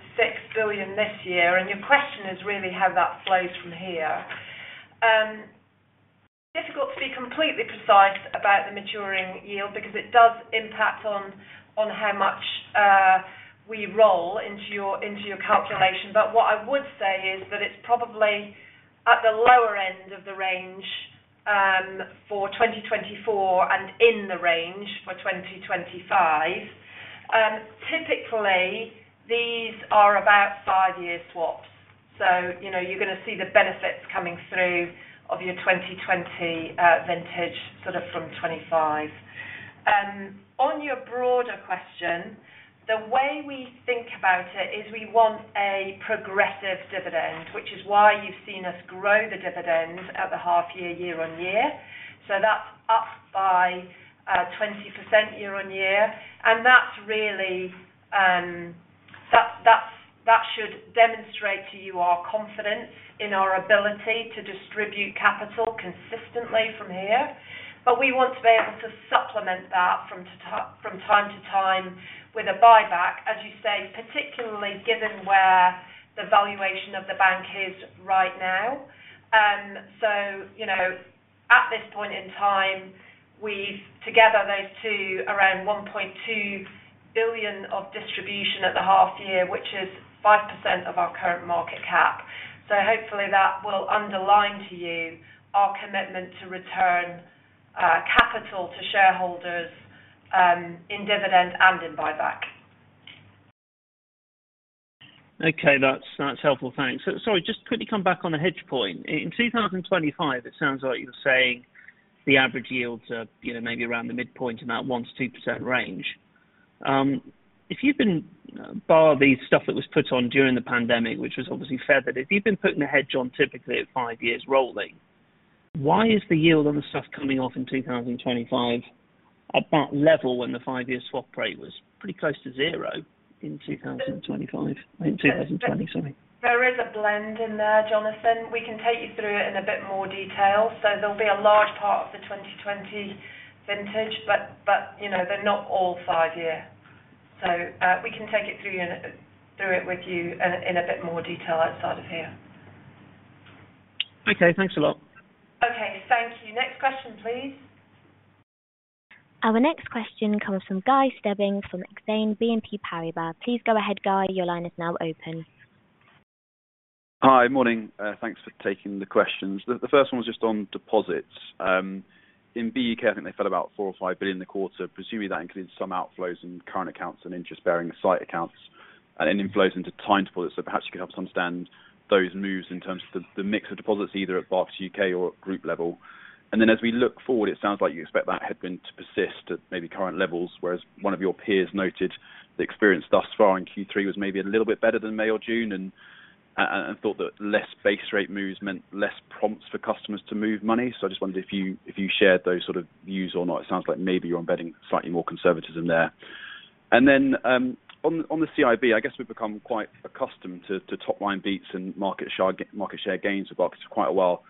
billion this year, and your question is really how that flows from here. Difficult to be completely precise about the maturing yield because it does impact on how much we roll into your, into your calculation. What I would say is that it's probably at the lower end of the range for 2024 and in the range for 2025. Typically, these are about five-year swaps. You know, you're gonna see the benefits coming through of your 2020 vintage, sort of from 2025. On your broader question, the way we think about it is we want a progressive dividend, which is why you've seen us grow the dividend at the half year-on-year. That's up by 20% year-on-year, and that's really, that should demonstrate to you our confidence in our ability to distribute capital consistently from here. We want to be able to supplement that from time to time with a buyback, as you say, particularly given where the valuation of the bank is right now. You know, at this point in time, we've together those two, around 1.2 billion of distribution at the half year, which is 5% of our current market cap. Hopefully that will underline to you our commitment to return, capital to shareholders, in dividend and in buyback. Okay, that's helpful. Thanks. Sorry, just quickly come back on the hedge point. In 2025, it sounds like you're saying the average yields are, you know, maybe around the midpoint in that 1%-2% range. If you've been, bar the stuff that was put on during the pandemic, which was obviously fair, but if you've been putting a hedge on typically at five years rolling, why is the yield on the stuff coming off in 2025 at that level when the five-year swap rate was pretty close to zero in 2025? In 2020, sorry. There is a blend in there, Jonathan. We can take you through it in a bit more detail. There'll be a large part of the 2020 vintage, but, you know, they're not all five year. We can take it through it with you in a bit more detail outside of here. Okay, thanks a lot. Okay, thank you. Next question, please? Our next question comes from Guy Stebbings, from Exane BNP Paribas. Please go ahead, Guy. Your line is now open. Hi. Morning. Thanks for taking the questions. The first one was just on deposits. In BUK, I think they fell about 4 billion or 5 billion in the quarter, presumably that includes some outflows in current accounts and interest-bearing site accounts, and inflows into time deposits. Perhaps you could help us understand those moves in terms of the mix of deposits, either at Barclays UK or at group level. Then as we look forward, it sounds like you expect that headwind to persist at maybe current levels, whereas one of your peers noted the experience thus far in Q3 was maybe a little bit better than May or June, and thought that less base rate moves meant less prompts for customers to move money. I just wondered if you, if you shared those sort of views or not. It sounds like maybe you're embedding slightly more conservatism there. Then, on the CIB, I guess we've become quite accustomed to top line beats and market share gains with Barclays for quite a while.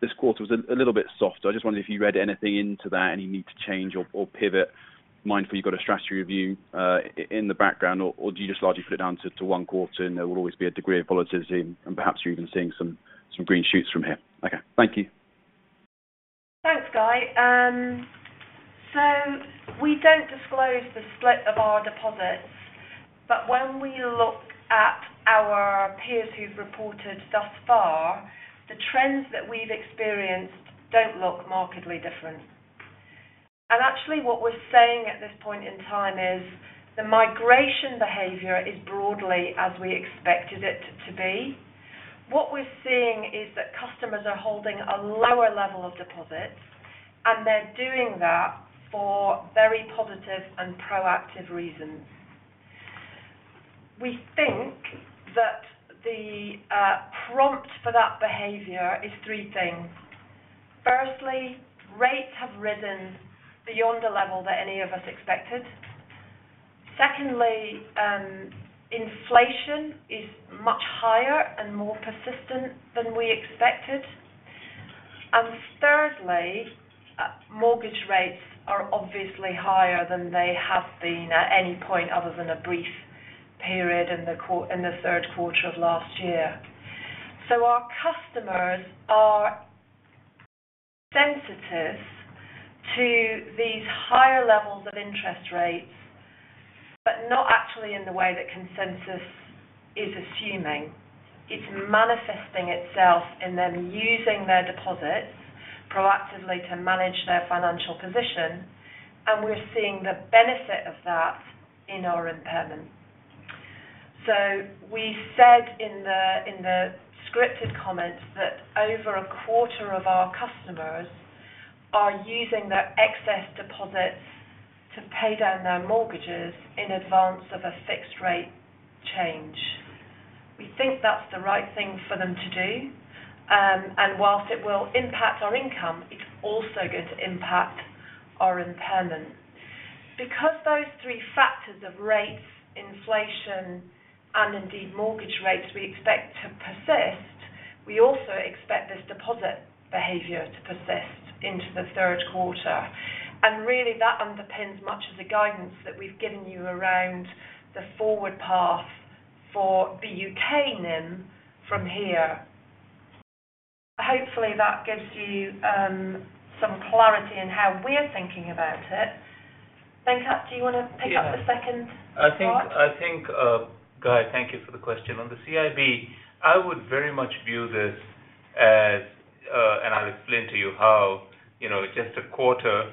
This quarter was a little bit softer. I just wondered if you read anything into that, any need to change or pivot, mindful you've got a strategy review in the background, or do you just largely put it down to one quarter, and there will always be a degree of volatility, and perhaps you're even seeing some green shoots from here? Okay. Thank you. Thanks, Guy. We don't disclose the split of our deposits. When we look at our peers who've reported thus far, the trends that we've experienced don't look markedly different. Actually, what we're saying at this point in time is, the migration behavior is broadly as we expected it to be. What we're seeing is that customers are holding a lower level of deposits, and they're doing that for very positive and proactive reasons. We think that the prompt for that behavior is three things. Firstly, rates have risen beyond the level that any of us expected. Secondly, inflation is much higher and more persistent than we expected. Thirdly, mortgage rates are obviously higher than they have been at any point other than a brief period in the third quarter of last year. Our customers are sensitive to these higher levels of interest rates, but not actually in the way that consensus is assuming. It's manifesting itself in them using their deposits proactively to manage their financial position, and we're seeing the benefit of that in our impairment. We said in the scripted comments that over a quarter of our customers are using their excess deposits to pay down their mortgages in advance of a fixed rate change. We think that's the right thing for them to do, and whilst it will impact our income, it's also going to impact our impairment. Those three factors of rates, inflation, and indeed mortgage rates we expect to persist, we also expect this deposit behavior to persist into the third quarter. Really, that underpins much of the guidance that we've given you around the forward path for the U.K. NIM from here. Hopefully, that gives you some clarity in how we're thinking about it. Venkat, do you want to pick up the second part? I think, Guy, thank you for the question. On the CIB, I would very much view this as, I'll explain to you how, you know, it's just a quarter.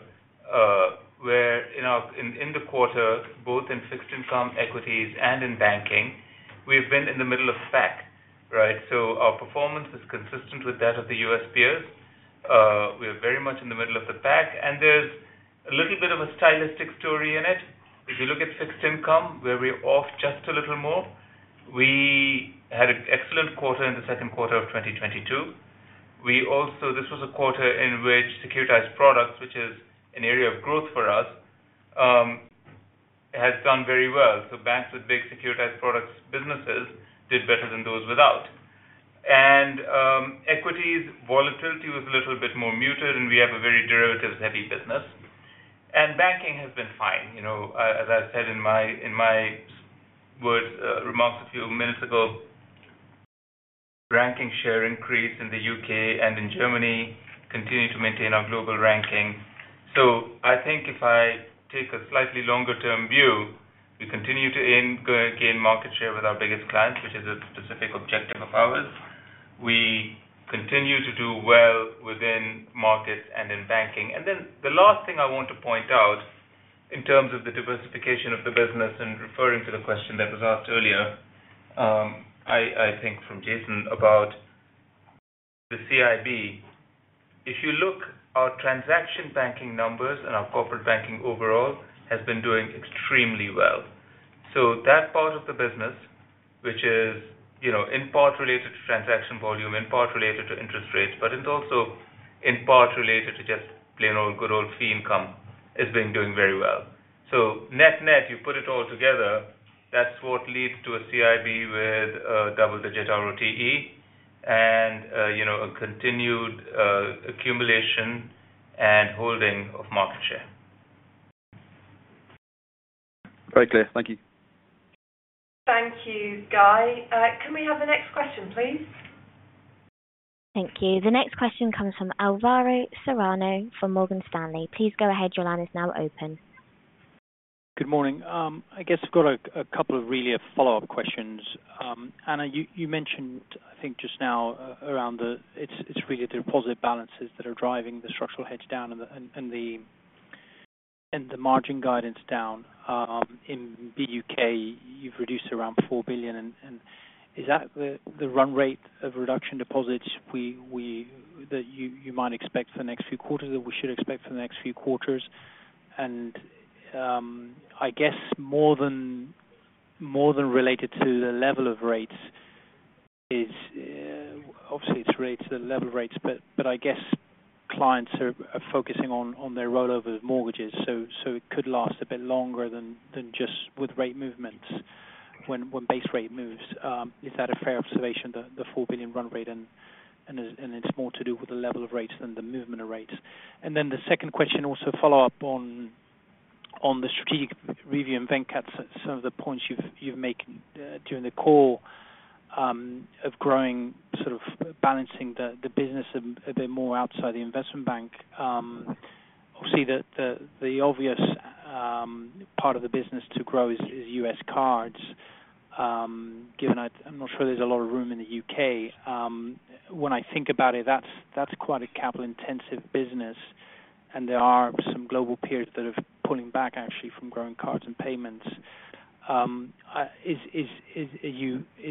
You know, in the quarter, both in fixed income equities and in banking, we've been in the middle of the pack, right? Our performance is consistent with that of the U.S. peers. We are very much in the middle of the pack, there's a little bit of a stylistic story in it. If you look at fixed income, where we're off just a little more, we had an excellent quarter in the second quarter of 2022. This was a quarter in which securitized products, which is an area of growth for us, has done very well. Banks with big securitized products businesses did better than those without. Equities, volatility was a little bit more muted, and we have a very derivatives-heavy business. Banking has been fine. You know, as I said in my, in my words, remarks a few minutes ago, ranking share increase in the U.K. and in Germany continue to maintain our global ranking. I think if I take a slightly longer-term view, we continue to gain market share with our biggest clients, which is a specific objective of ours. We continue to do well within markets and in banking. The last thing I want to point out in terms of the diversification of the business and referring to the question that was asked earlier, I think from Jason, about the CIB. If you look our transaction banking numbers and our corporate banking overall, has been doing extremely well. That part of the business, which is, you know, in part related to transaction volume, in part related to interest rates, but it's also in part related to just plain old, good old fee income, has been doing very well. Net-net, you put it all together, that's what leads to a CIB with a double-digit RoTE and, you know, a continued accumulation and holding of market share. Very clear. Thank you. Thank you, Guy. Can we have the next question, please? Thank you. The next question comes from Alvaro Serrano from Morgan Stanley. Please go ahead. Your line is now open. Good morning. I guess I've got a couple of really a follow-up questions. Anna, you mentioned, I think just now, around the... It's really the deposit balances that are driving the structural hedge down and the margin guidance down in the U.K., you've reduced around 4 billion, is that the run rate of reduction deposits we That you might expect for the next few quarters, that we should expect for the next few quarters? I guess more than related to the level of rates is, obviously, it's rates, the level of rates, but I guess clients are focusing on their rollover mortgages, so it could last a bit longer than just with rate movements when base rate moves. Is that a fair observation, the 4 billion run rate and it's more to do with the level of rates than the movement of rates? The second question, also follow up on the strategic review and cut some of the points you've made during the call, of growing, sort of balancing the business a bit more outside the investment bank. Obviously, the obvious part of the business to grow is U.S. cards. Given I'm not sure there's a lot of room in the U.K. When I think about it, that's quite a capital-intensive business, and there are some global periods that are pulling back, actually, from growing cards and payments. Is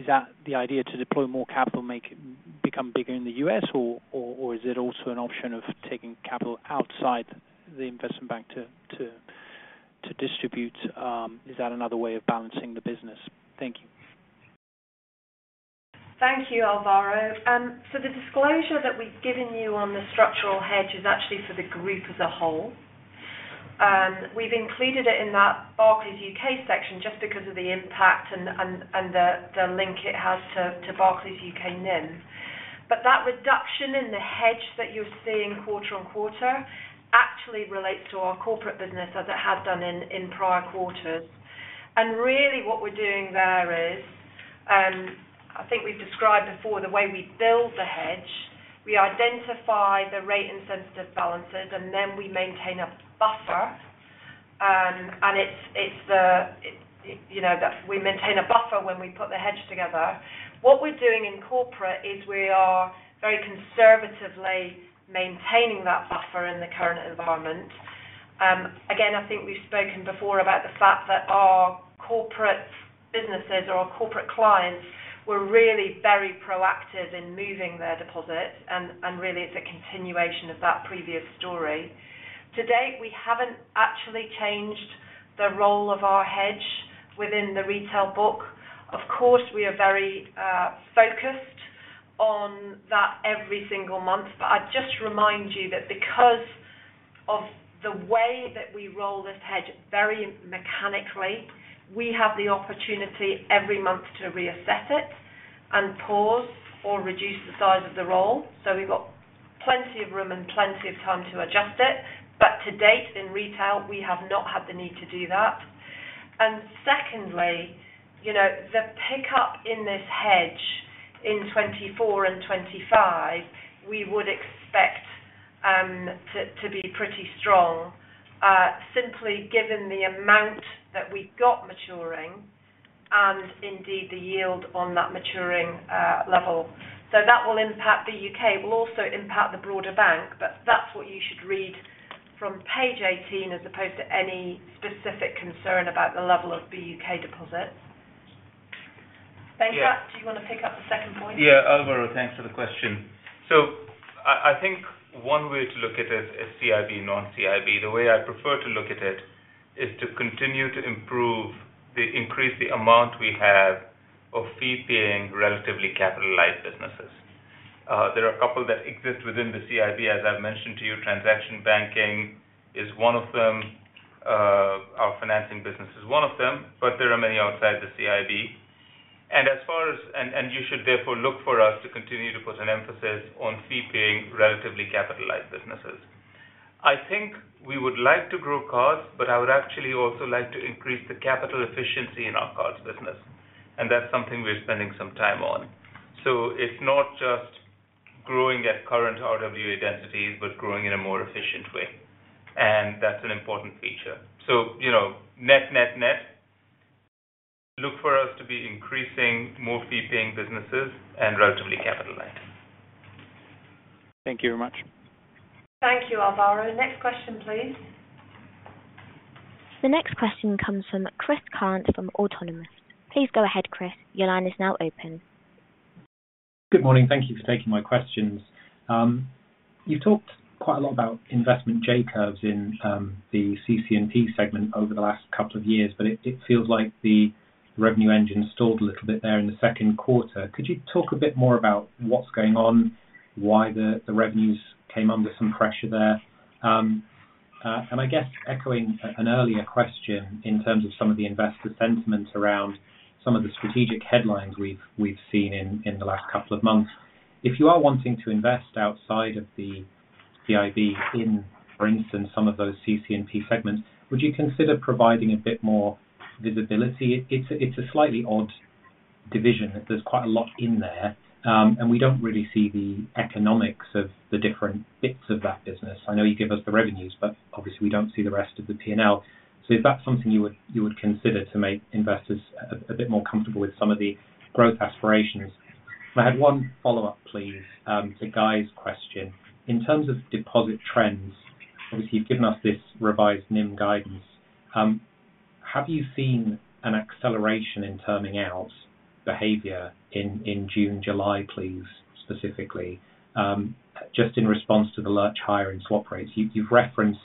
that the idea to deploy more capital, make it become bigger in the U.S., or is it also an option of taking capital outside the investment bank to distribute? Is that another way of balancing the business? Thank you. Thank you, Alvaro. The disclosure that we've given you on the structural hedge is actually for the group as a whole. We've included it in that Barclays UK section just because of the impact and the link it has to Barclays UK NIM. That reduction in the hedge that you're seeing quarter-on-quarter actually relates to our corporate business as it has done in prior quarters. Really, what we're doing there is I think we've described before the way we build the hedge. We identify the rate and sensitive balances, and then we maintain a buffer. It's the, you know, that we maintain a buffer when we put the hedge together. What we're doing in corporate is we are very conservatively maintaining that buffer in the current environment. Again, I think we've spoken before about the fact that our corporate businesses or our corporate clients were really very proactive in moving their deposits, and really, it's a continuation of that previous story. To date, we haven't actually changed the role of our hedge within the retail book. Of course, we are very focused on that every single month. I'd just remind you that because of the way that we roll this hedge very mechanically, we have the opportunity every month to reassess it and pause or reduce the size of the roll. We've got plenty of room and plenty of time to adjust it. To date, in retail, we have not had the need to do that. Secondly, you know, the pickup in this hedge in 2024 and 2025, we would expect to be pretty strong, simply given the amount that we got maturing and indeed the yield on that maturing level. That will impact the U.K. It will also impact the broader bank, but that's what you should read from Page 18, as opposed to any specific concern about the level of the U.K. deposits. Venkat, do you want to pick up the second point? Alvaro, thanks for the question. I think one way to look at it is CIB, non-CIB. The way I prefer to look at it is to continue to improve increase the amount we have of fee-paying, relatively capitalized businesses. There are a couple that exist within the CIB. As I've mentioned to you, transaction banking is one of them. Our financing business is one of them, but there are many outside the CIB. As far as... You should therefore look for us to continue to put an emphasis on fee-paying, relatively capitalized businesses. I think we would like to grow cards, but I would actually also like to increase the capital efficiency in our cards business, and that's something we're spending some time on. It's not just growing at current RWA densities, but growing in a more efficient way, and that's an important feature. You know, net, net, look for us to be increasing more fee-paying businesses and relatively capitalized. Thank you very much. Thank you, Alvaro. Next question, please. The next question comes from Chris Cant from Autonomous. Please go ahead, Chris. Your line is now open. Good morning. Thank you for taking my questions. You talked quite a lot about investment J-curves in the CC&P segment over the last couple of years, but it feels like the revenue engine stalled a little bit there in the second quarter. Could you talk a bit more about what's going on, why the revenues came under some pressure there? I guess echoing an earlier question in terms of some of the investor sentiments around some of the strategic headlines we've seen in the last couple of months. If you are wanting to invest outside of the CIB in, for instance, some of those CC&P segments, would you consider providing a bit more visibility? It's a slightly odd division. There's quite a lot in there, and we don't really see the economics of the different bps of that business. I know you give us the revenues, but obviously, we don't see the rest of the P&L. Is that something you would consider to make investors a bit more comfortable with some of the growth aspirations? I had one follow-up, please, to Guy's question. In terms of deposit trends, obviously, you've given us this revised NIM guidance. Have you seen an acceleration in terming out behavior in June, July, please, specifically, just in response to the lurch higher in swap rates? You've referenced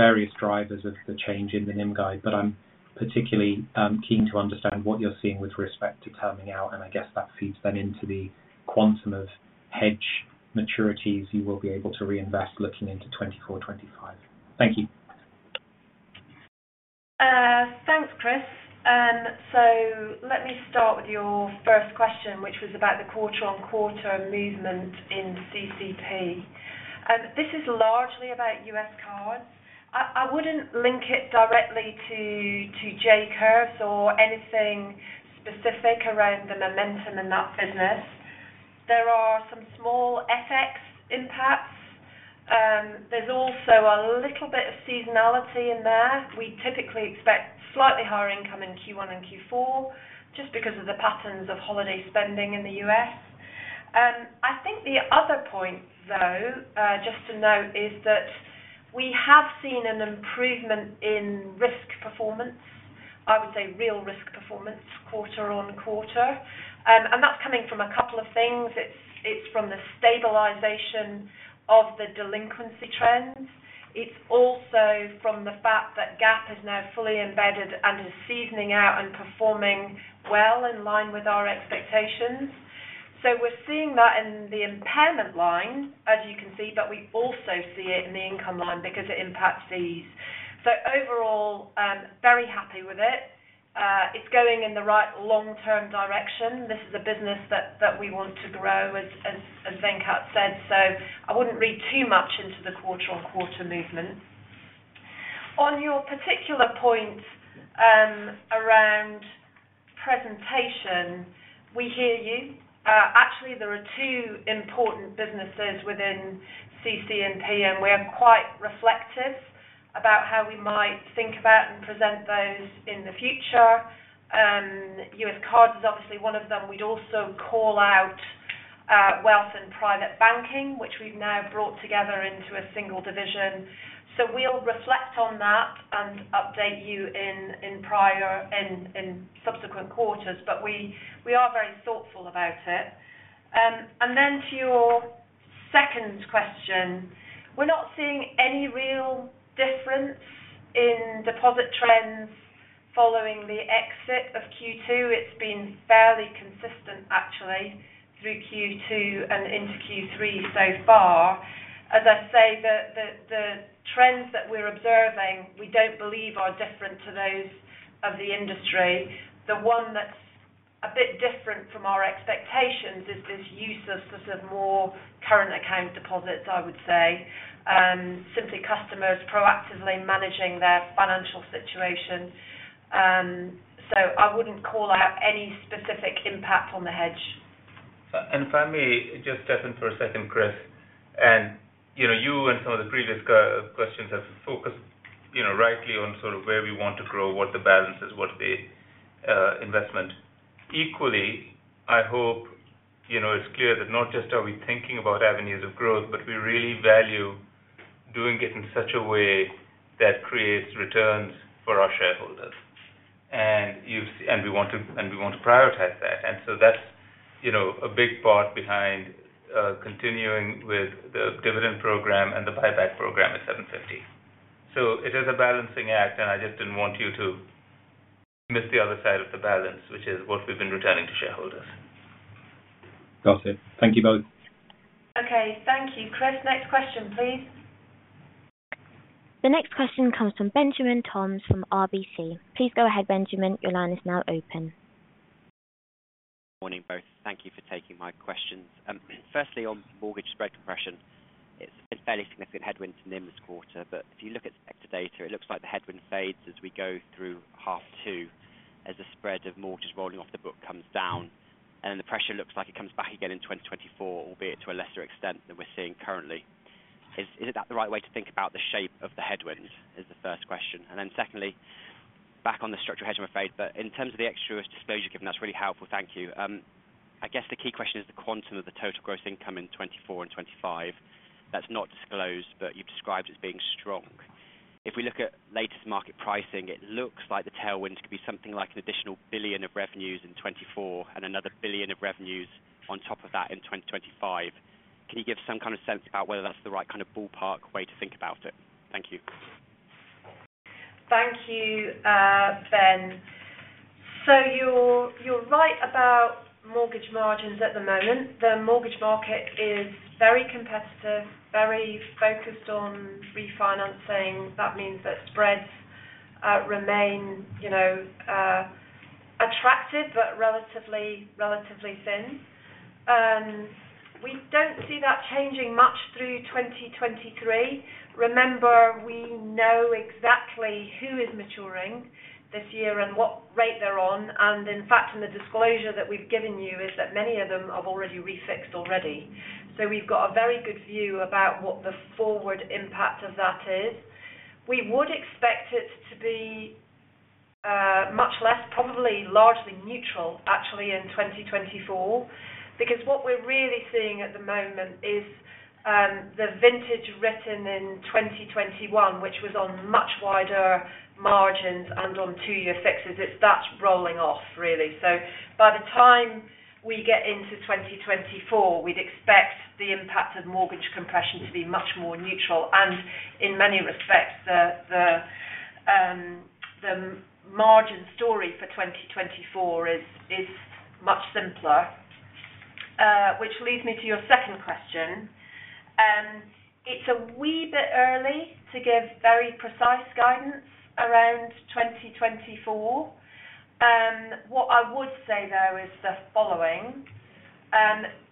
various drivers of the change in the NIM guide, but I'm particularly keen to understand what you're seeing with respect to terming out, and I guess that feeds then into the quantum of hedge maturities you will be able to reinvest looking into 2024, 2025. Thank you. Thanks, Chris. Let me start with your first question, which was about the quarter-on-quarter movement in CCP. This is largely about U.S. cards. I wouldn't link it directly to J-curves or anything specific around the momentum in that business. There are some small FX impacts. There's also a little bit of seasonality in there. We typically expect slightly higher income in Q1 and Q4, just because of the patterns of holiday spending in the U.S. I think the other point, though, just to note, is that we have seen an improvement in risk performance, I would say real risk performance, quarter-on-quarter. That's coming from a couple of things. It's from the stabilization of the delinquency trends. It's also from the fact that Gap is now fully embedded and is seasoning out and performing well in line with our expectations. We're seeing that in the impairment line, as you can see, but we also see it in the income line because it impacts these. Overall, very happy with it. It's going in the right long-term direction. This is a business that we want to grow, as Venkat said, so I wouldn't read too much into the quarter-on-quarter movement. On your particular point, around presentation, we hear you. Actually, there are two important businesses within CC&P, and we are quite reflective about how we might think about and present those in the future. U.S. cards is obviously one of them. We'd also call out wealth and private banking, which we've now brought together into a single division. We'll reflect on that and update you in subsequent quarters, but we are very thoughtful about it. Then to your second question, we're not seeing any real difference in deposit trends following the exit of Q2. It's been fairly consistent, actually, through Q2 and into Q3 so far. As I say, the trends that we're observing, we don't believe are different to those of the industry. The one that's a bit different from our expectations is this use of sort of more current account deposits, I would say, simply customers proactively managing their financial situation. I wouldn't call out any specific impact on the hedge. If I may just step in for a second, Chris, you know, you and some of the previous questions have focused, you know, rightly on sort of where we want to grow, what the balance is, what the investment. Equally, I hope, you know, it's clear that not just are we thinking about avenues of growth, but we really value doing it in such a way that creates returns for our shareholders. We want to prioritize that. That's, you know, a big part behind continuing with the dividend program and the buyback program at 750. It is a balancing act, and I just didn't want you to miss the other side of the balance, which is what we've been returning to shareholders. Got it. Thank you, both. Okay, thank you. Chris, next question, please? The next question comes from Benjamin Toms from RBC. Please go ahead, Benjamin. Your line is now open. Morning, both. Thank you for taking my questions. Firstly, on mortgage spread compression, it's a fairly significant headwind to NIM this quarter, but if you look at sector data, it looks like the headwind fades as we go through half two, as the spread of mortgages rolling off the book comes down, and then the pressure looks like it comes back again in 2024, albeit to a lesser extent than we're seeing currently. Is that the right way to think about the shape of the headwinds, is the first question. Secondly, back on the structural hedge, I'm afraid, but in terms of the extra disclosure you've given, that's really helpful. Thank you. I guess the key question is the quantum of the total gross income in 2024 and 2025. That's not disclosed, but you've described as being strong. We look at latest market pricing, it looks like the tailwind could be something like an additional 1 billion of revenues in 2024 and another 1 billion of revenues on top of that in 2025. Can you give some kind of sense about whether that's the right kind of ballpark way to think about it? Thank you. Thank you, Ben. You're right about mortgage margins at the moment. The mortgage market is very competitive, very focused on refinancing. That means that spreads remain, you know, attractive, but relatively thin. We don't see that changing much through 2023. Remember, we know exactly who is maturing this year and what rate they're on. In fact, in the disclosure that we've given you, is that many of them have already refixed already. We've got a very good view about what the forward impact of that is. We would expect it to be much less, probably largely neutral, actually, in 2024, because what we're really seeing at the moment is the vintage written in 2021, which was on much wider margins and on two-year fixes, it starts rolling off, really. By the time we get into 2024, we'd expect the impact of mortgage compression to be much more neutral. In many respects, the margin story for 2024 is much simpler. Which leads me to your second question. It's a wee bit early to give very precise guidance around 2024. What I would say, though, is the following: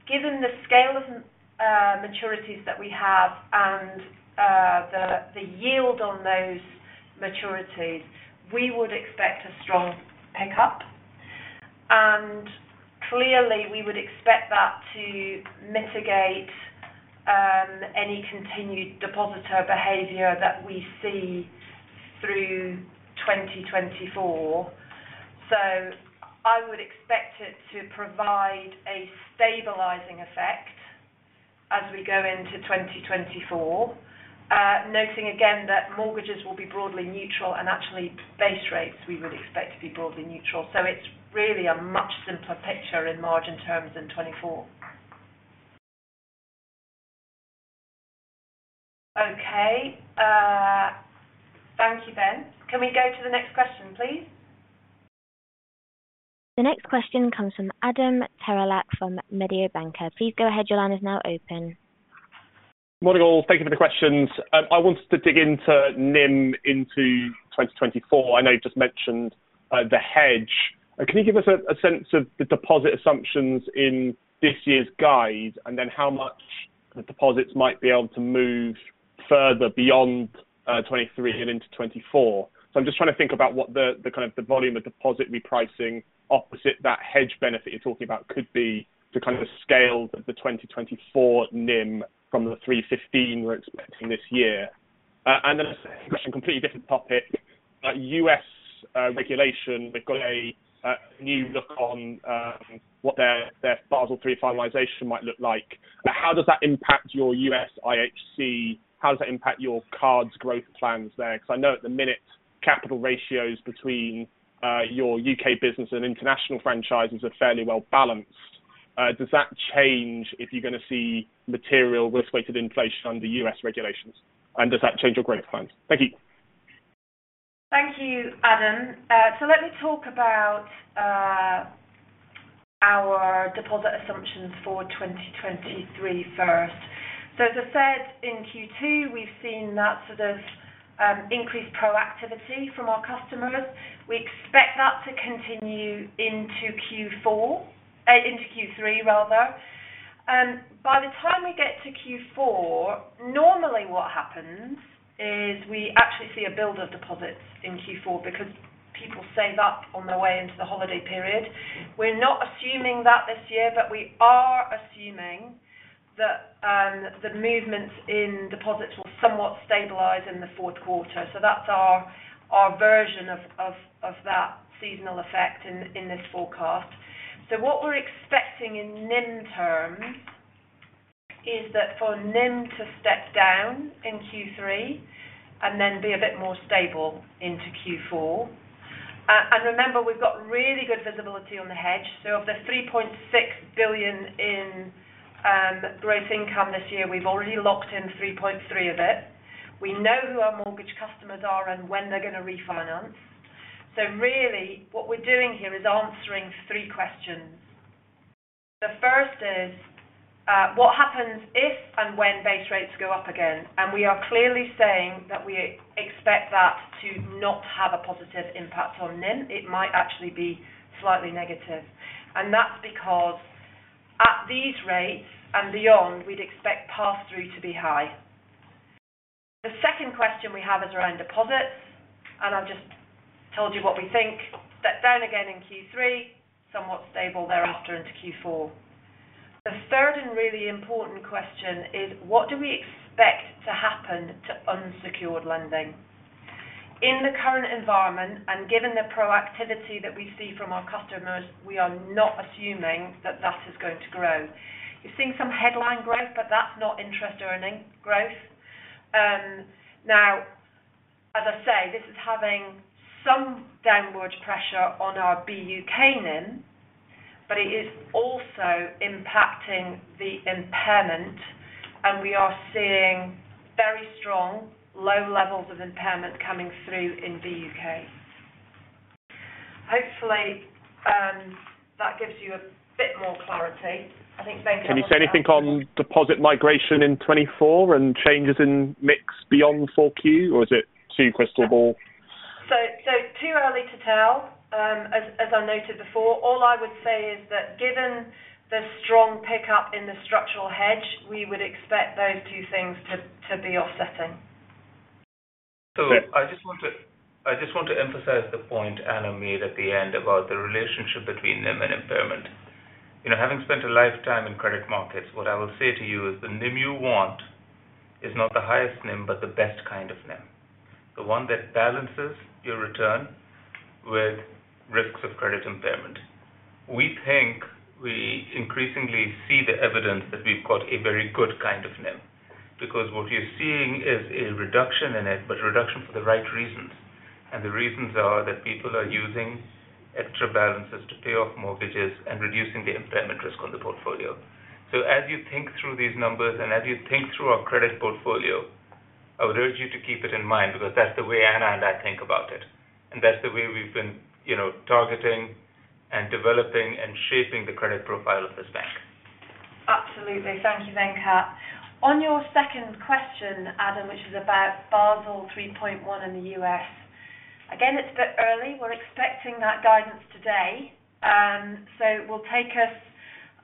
Given the scale of maturities that we have and the yield on those maturities, we would expect a strong pickup. Clearly, we would expect that to mitigate any continued depositor behavior that we see through 2024. I would expect it to provide a stabilizing effect as we go into 2024, noting again that mortgages will be broadly neutral and actually base rates we would expect to be broadly neutral. It's really a much simpler picture in margin terms in 2024. Okay, thank you, Ben. Can we go to the next question, please? The next question comes from Adam Terelak from Mediobanca. Please go ahead. Your line is now open. Morning, all. Thank you for the questions. I wanted to dig into NIM into 2024. I know you just mentioned the hedge. Can you give us a sense of the deposit assumptions in this year's guide and then how much the deposits might be able to move further beyond 2023 and into 24? I'm just trying to think about what the kind of the volume of deposit repricing opposite that hedge benefit you're talking about could be to kind of scale the 2024 NIM from the 3.15 we're expecting this year. A second question, completely different topic. U.S. regulation, we've got a new look on what their Basel III finalization might look like. How does that impact your U.S. IHC? How does that impact your cards growth plans there? Because I know at the minute, capital ratios between your U.K. business and international franchises are fairly well balanced. Does that change if you're going to see material risk weighted inflation under U.S. regulations, and does that change your growth plans? Thank you. Thank you, Adam. Let me talk about our deposit assumptions for 2023 first. As I said, in Q2, we've seen that sort of increased proactivity from our customers. We expect that to continue into Q4, into Q3 rather. By the time we get to Q4, normally what happens is we actually see a build of deposits in Q4 because people save up on their way into the holiday period. We're not assuming that this year, but we are assuming that the movements in deposits will somewhat stabilize in the fourth quarter. That's our version of that seasonal effect in this forecast. What we're expecting in NIM terms is that for NIM to step down in Q3 and then be a bit more stable into Q4. Remember, we've got really good visibility on the hedge. Of the 3.6 billion in growth income this year, we've already locked in 3.3 billion of it. We know who our mortgage customers are and when they're going to refinance. Really, what we're doing here is answering three questions. The first is what happens if and when base rates go up again? We are clearly saying that we expect that to not have a positive impact on NIM. It might actually be slightly negative, and that's because at these rates and beyond, we'd expect pass-through to be high. The second question we have is around deposits, and I've just told you what we think. Step down again in Q3, somewhat stable thereafter into Q4. The third and really important question is: what do we expect to happen to unsecured lending? Given the proactivity that we see from our customers, we are not assuming that that is going to grow. You're seeing some headline growth, but that's not interest-earning growth. Now, as I say, this is having some downward pressure on our BUK NIM, but it is also impacting the impairment, and we are seeing very strong, low levels of impairment coming through in the U.K. Hopefully, that gives you a bit more clarity. I think, Venkat- Can you say anything on deposit migration in 2024 and changes in mix beyond 4Q, or is it too crystal ball? Too early to tell. As I noted before, all I would say is that given the strong pickup in the structural hedge, we would expect those two things to be offsetting. I just want to emphasize the point Anna made at the end about the relationship between NIM and impairment. You know, having spent a lifetime in credit markets, what I will say to you is the NIM you want is not the highest NIM, but the best kind of NIM, the one that balances your return with risks of credit impairment. We think we increasingly see the evidence that we've got a very good kind of NIM, because what we are seeing is a reduction in it, but a reduction for the right reasons. The reasons are that people are using extra balances to pay off mortgages and reducing the impairment risk on the portfolio. As you think through these numbers and as you think through our credit portfolio, I would urge you to keep it in mind, because that's the way Anna and I think about it, and that's the way we've been, you know, targeting and developing and shaping the credit profile of this bank. Absolutely. Thank you, Venkat. On your second question, Adam, which is about Basel 3.1 in the U.S., again, it's a bit early. We're expecting that guidance today, so it will take us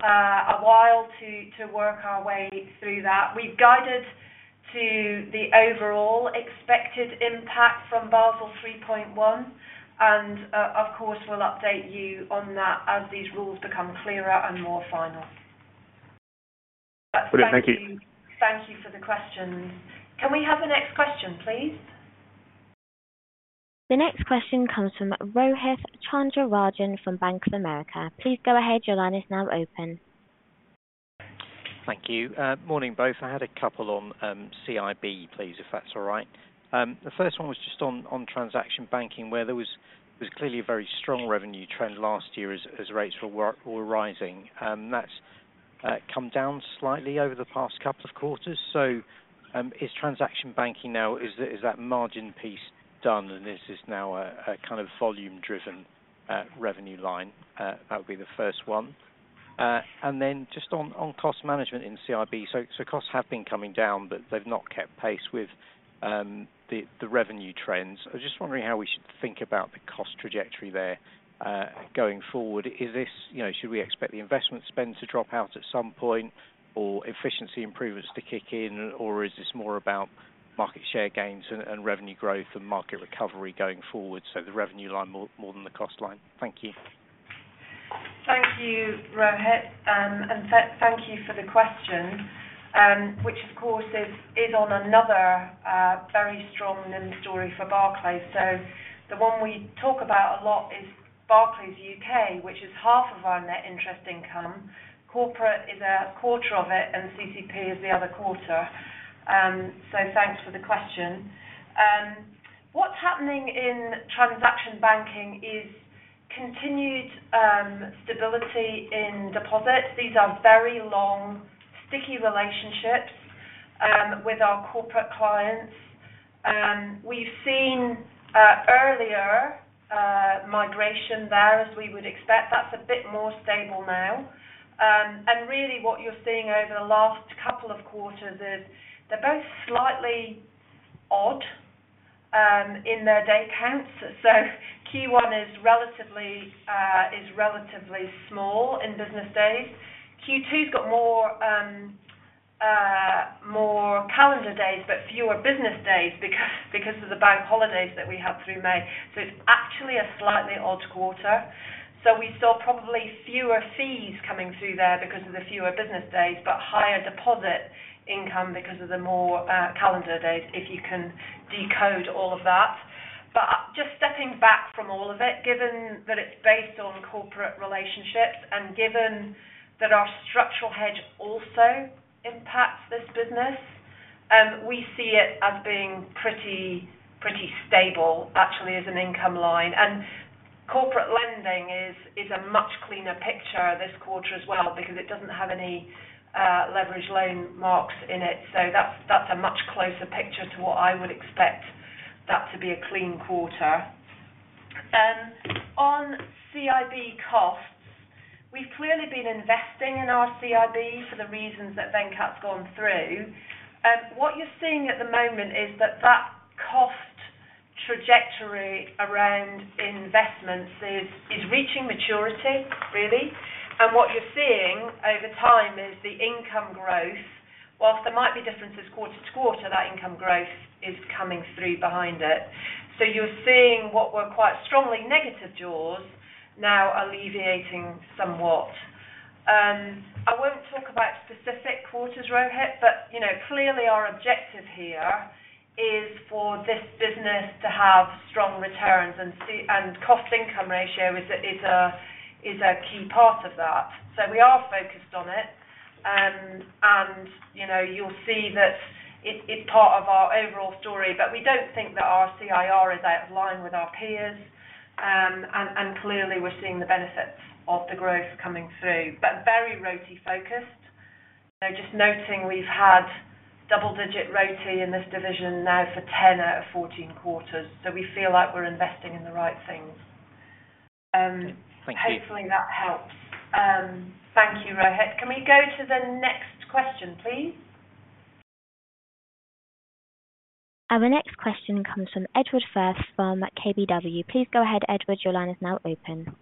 a while to work our way through that. We've guided to the overall expected impact from Basel 3.1, and, of course, we'll update you on that as these rules become clearer and more final. Thank you. Thank you for the question. Can we have the next question, please? The next question comes from Rohith Chandra-Rajan from Bank of America. Please go ahead. Your line is now open. Thank you. Morning, both. I had a couple on CIB, please, if that's all right. The first one was just on transaction banking, where there was clearly a very strong revenue trend last year as rates were rising. That's come down slightly over the past couple of quarters. Is transaction banking now, is that margin piece done, and this is now a kind of volume-driven revenue line? That would be the first one. Then just on cost management in CIB. Costs have been coming down, but they've not kept pace with the revenue trends. I was just wondering how we should think about the cost trajectory there going forward. Is this... You know, should we expect the investment spend to drop out at some point or efficiency improvements to kick in, or is this more about market share gains and revenue growth and market recovery going forward, so the revenue line more than the cost line? Thank you. Thank you, Rohith, and thank you for the question, which, of course, is on another very strong NIM story for Barclays. The one we talk about a lot is Barclays UK, which is half of our net interest income. Corporate is a quarter of it, and CCP is the other quarter. Thanks for the question. What's happening in transaction banking is continued stability in deposits. These are very long, sticky relationships with our corporate clients. We've seen earlier migration there, as we would expect. That's a bit more stable now. And really, what you're seeing over the last couple of quarters is they're both slightly odd.... in their day counts. Q1 is relatively small in business days. Q2's got more calendar days, but fewer business days, because of the bank holidays that we had through May. It's actually a slightly odd quarter. We saw probably fewer fees coming through there because of the fewer business days, but higher deposit income because of the more calendar days, if you can decode all of that. Just stepping back from all of it, given that it's based on corporate relationships, and given that our structural hedge also impacts this business, we see it as being pretty stable, actually, as an income line. Corporate lending is a much cleaner picture this quarter as well, because it doesn't have any leverage loan marks in it. That's a much closer picture to what I would expect that to be a clean quarter. On CIB costs, we've clearly been investing in our CIB for the reasons that Venkat's gone through. What you're seeing at the moment is that cost trajectory around investments is reaching maturity, really. What you're seeing over time is the income growth. Whilst there might be differences quarter to quarter, that income growth is coming through behind it. You're seeing what were quite strongly negative jaws now alleviating somewhat. I won't talk about specific quarters, Rohith, but, you know, clearly our objective here is for this business to have strong returns, and cost-to-income ratio is a key part of that. We are focused on it. You know, you'll see that it's part of our overall story. We don't think that our CIR is out of line with our peers. Clearly, we're seeing the benefits of the growth coming through. Very RoTE focused. Just noting, we've had double-digit RoTE in this division now for 10 out of 14 quarters, so we feel like we're investing in the right things. Thank you. Hopefully, that helps. Thank you, Rohith. Can we go to the next question, please? Our next question comes from Edward Firth from KBW. Please go ahead, Edward, your line is now open.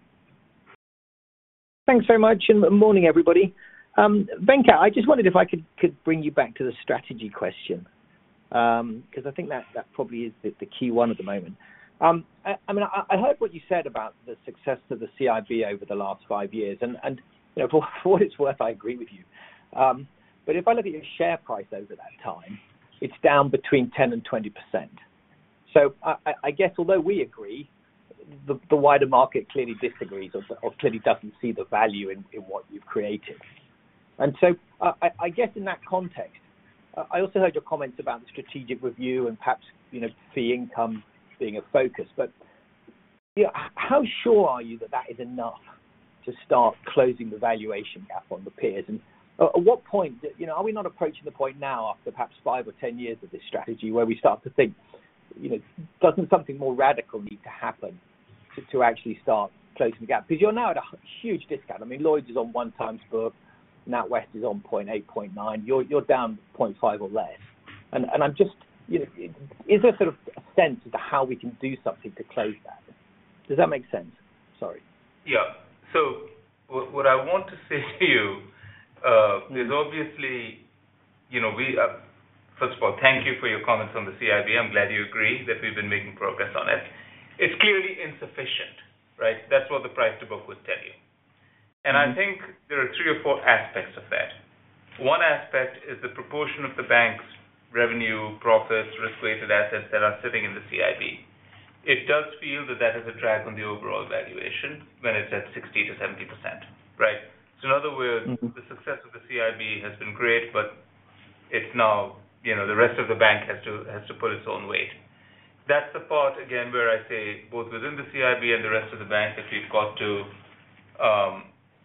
Thanks very much. Good morning, everybody. Venkat, I just wondered if I could bring you back to the strategy question. I think that probably is the key one at the moment. I mean, I heard what you said about the success of the CIB over the last five years, and, you know, for what it's worth, I agree with you. If I look at your share price over that time, it's down between 10% and 20%. I guess although we agree, the wider market clearly disagrees or clearly doesn't see the value in what you've created. I guess in that context, I also heard your comments about the strategic review and perhaps, you know, fee income being a focus. You know, how sure are you that that is enough to start closing the valuation gap on the peers? At what point, you know, are we not approaching the point now, after perhaps five or 10 years of this strategy, where we start to think, you know, doesn't something more radical need to happen to actually start closing the gap? Because you're now at a huge discount. I mean, Lloyds is on 1x book, NatWest is on 0.8, 0.9. You're, you're down 0.5 or less. I'm just, you know. Is there sort of a sense as to how we can do something to close that? Does that make sense? Sorry. Yeah. What I want to say to you, is obviously, you know, we, first of all, thank you for your comments on the CIB. I'm glad you agree that we've been making progress on it. It's clearly insufficient, right? That's what the price to book would tell you. I think there are three or four aspects of that. One aspect is the proportion of the bank's revenue, profits, risk-related assets that are sitting in the CIB. It does feel that that is a drag on the overall valuation when it's at 60% to 70%, right? In other words. Mm-hmm. -the success of the CIB has been great, but it's now, you know, the rest of the bank has to pull its own weight. That's the part, again, where I say, both within the CIB and the rest of the bank, that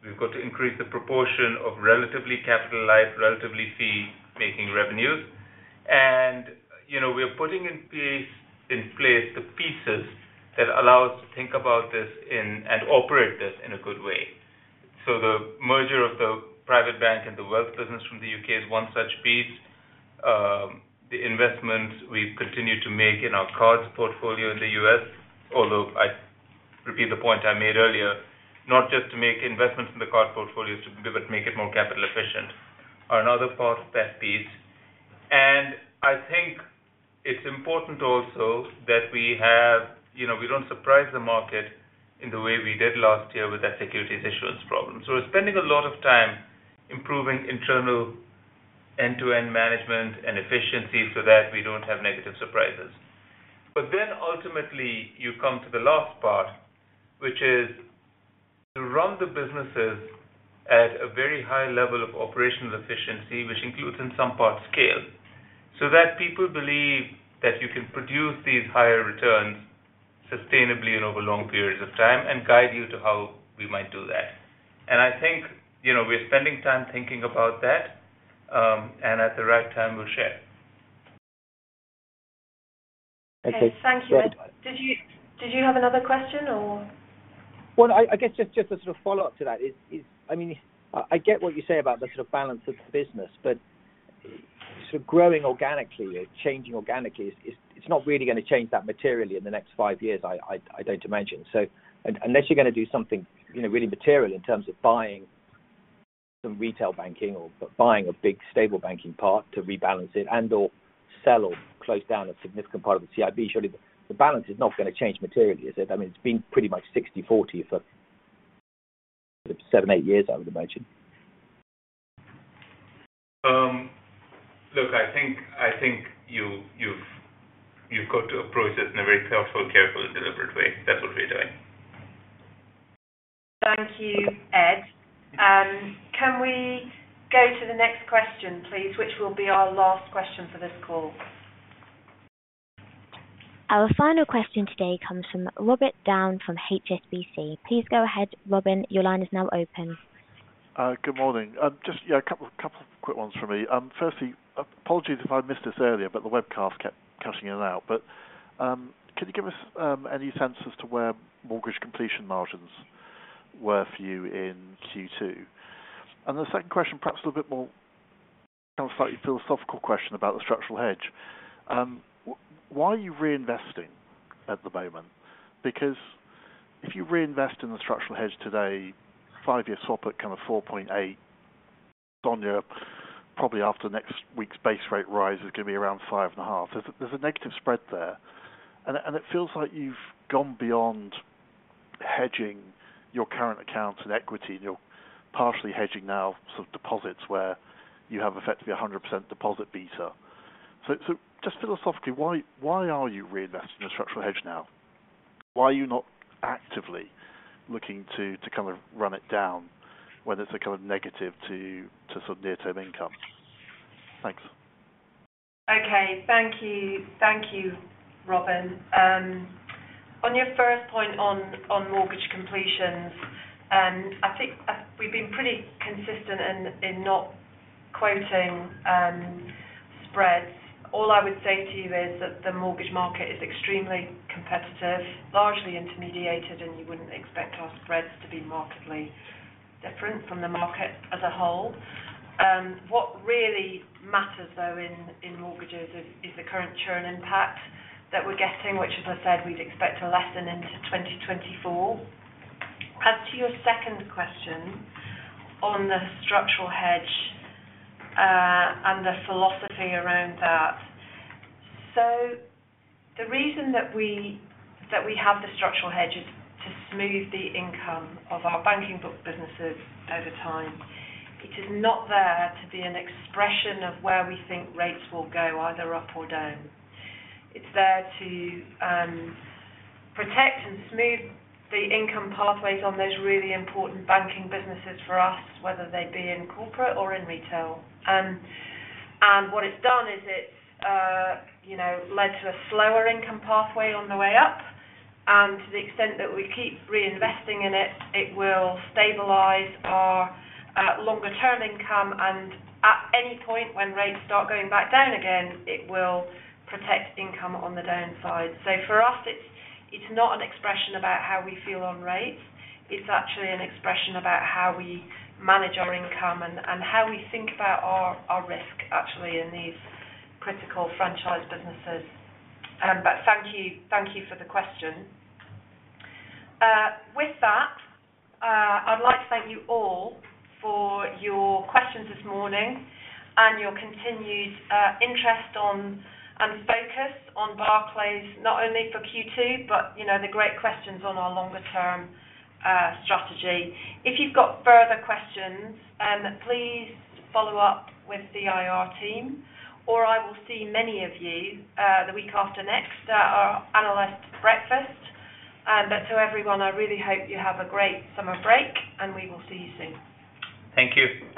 we've got to increase the proportion of relatively capitalized, relatively fee-making revenues. You know, we're putting in place the pieces that allow us to think about this in and operate this in a good way. The merger of the private bank and the wealth business from the U.K. is one such piece. The investments we've continued to make in our cards portfolio in the U.S., although I repeat the point I made earlier, not just to make investments in the card portfolios, to be able to make it more capital efficient, are another part of that piece. I think it's important also that we have. You know, we don't surprise the market in the way we did last year with that securities issuance problem. We're spending a lot of time improving internal end-to-end management and efficiency, so that we don't have negative surprises. Ultimately, you come to the last part, which is to run the businesses at a very high level of operational efficiency, which includes, in some part, scale. That people believe that you can produce these higher returns sustainably and over long periods of time, and guide you to how we might do that. I think, you know, we're spending time thinking about that, and at the right time, we'll share. Okay. Thank you, Edward. Did you have another question or? Well, I guess just a sort of follow-up to that is, I mean, I get what you say about the sort of balance of the business, but sort of growing organically or changing organically, is it's not really going to change that materially in the next five years, I don't imagine. Unless you're going to do something, you know, really material in terms of buying some retail banking or buying a big stable banking part to rebalance it and/or sell or close down a significant part of the CIB, surely the balance is not going to change materially, is it? I mean, it's been pretty much 60/40 for seven, eight years, I would imagine. Look, I think you've got to approach this in a very thoughtful, careful, deliberate way. That's what we're doing. Thank you, Ed. Can we go to the next question, please, which will be our last question for this call? Our final question today comes from Robin Down from HSBC. Please go ahead, Robin. Your line is now open. Good morning. Just, yeah, a couple of quick ones for me. Firstly, apologies if I missed this earlier, the webcast kept cutting in and out. Can you give us any sense as to where mortgage completion margins were for you in Q2? The second question, perhaps a little bit more kind of slightly philosophical question about the structural hedge. Why are you reinvesting at the moment? If you reinvest in the structural hedge today, five-year swap at kind of 4.8 on you, probably after next week's base rate rise, is going to be around 5.5. There's a negative spread there. It feels like you've gone beyond hedging your current accounts and equity, and you're partially hedging now sort of deposits where you have effectively 100% deposit beta. Just philosophically, why are you reinvesting in a structural hedge now? Why are you not actively looking to kind of run it down, whether it's a kind of negative to some near-term income? Thanks. Thank you. Thank you, Robin. On your first point on mortgage completions, I think we've been pretty consistent in not quoting spreads. All I would say to you is that the mortgage market is extremely competitive, largely intermediated, and you wouldn't expect our spreads to be markedly different from the market as a whole. What really matters, though, in mortgages is the current churn impact that we're getting, which, as I said, we'd expect to lessen into 2024. As to your second question on the structural hedge and the philosophy around that. The reason that we have the structural hedge is to smooth the income of our banking book businesses over time. It is not there to be an expression of where we think rates will go, either up or down. It's there to protect and smooth the income pathways on those really important banking businesses for us, whether they be in corporate or in retail. What it's done is it's, you know, led to a slower income pathway on the way up, and to the extent that we keep reinvesting in it will stabilize our longer-term income. At any point when rates start going back down again, it will protect income on the downside. For us, it's not an expression about how we feel on rates. It's actually an expression about how we manage our income and how we think about our risk, actually, in these critical franchise businesses. Thank you. Thank you for the question. With that, I'd like to thank you all for your questions this morning and your continued interest on and focus on Barclays, not only for Q2, but you know, the great questions on our longer-term strategy. If you've got further questions, please follow up with the IR team, or I will see many of you the week after next at our analyst breakfast. To everyone, I really hope you have a great summer break, and we will see you soon. Thank you.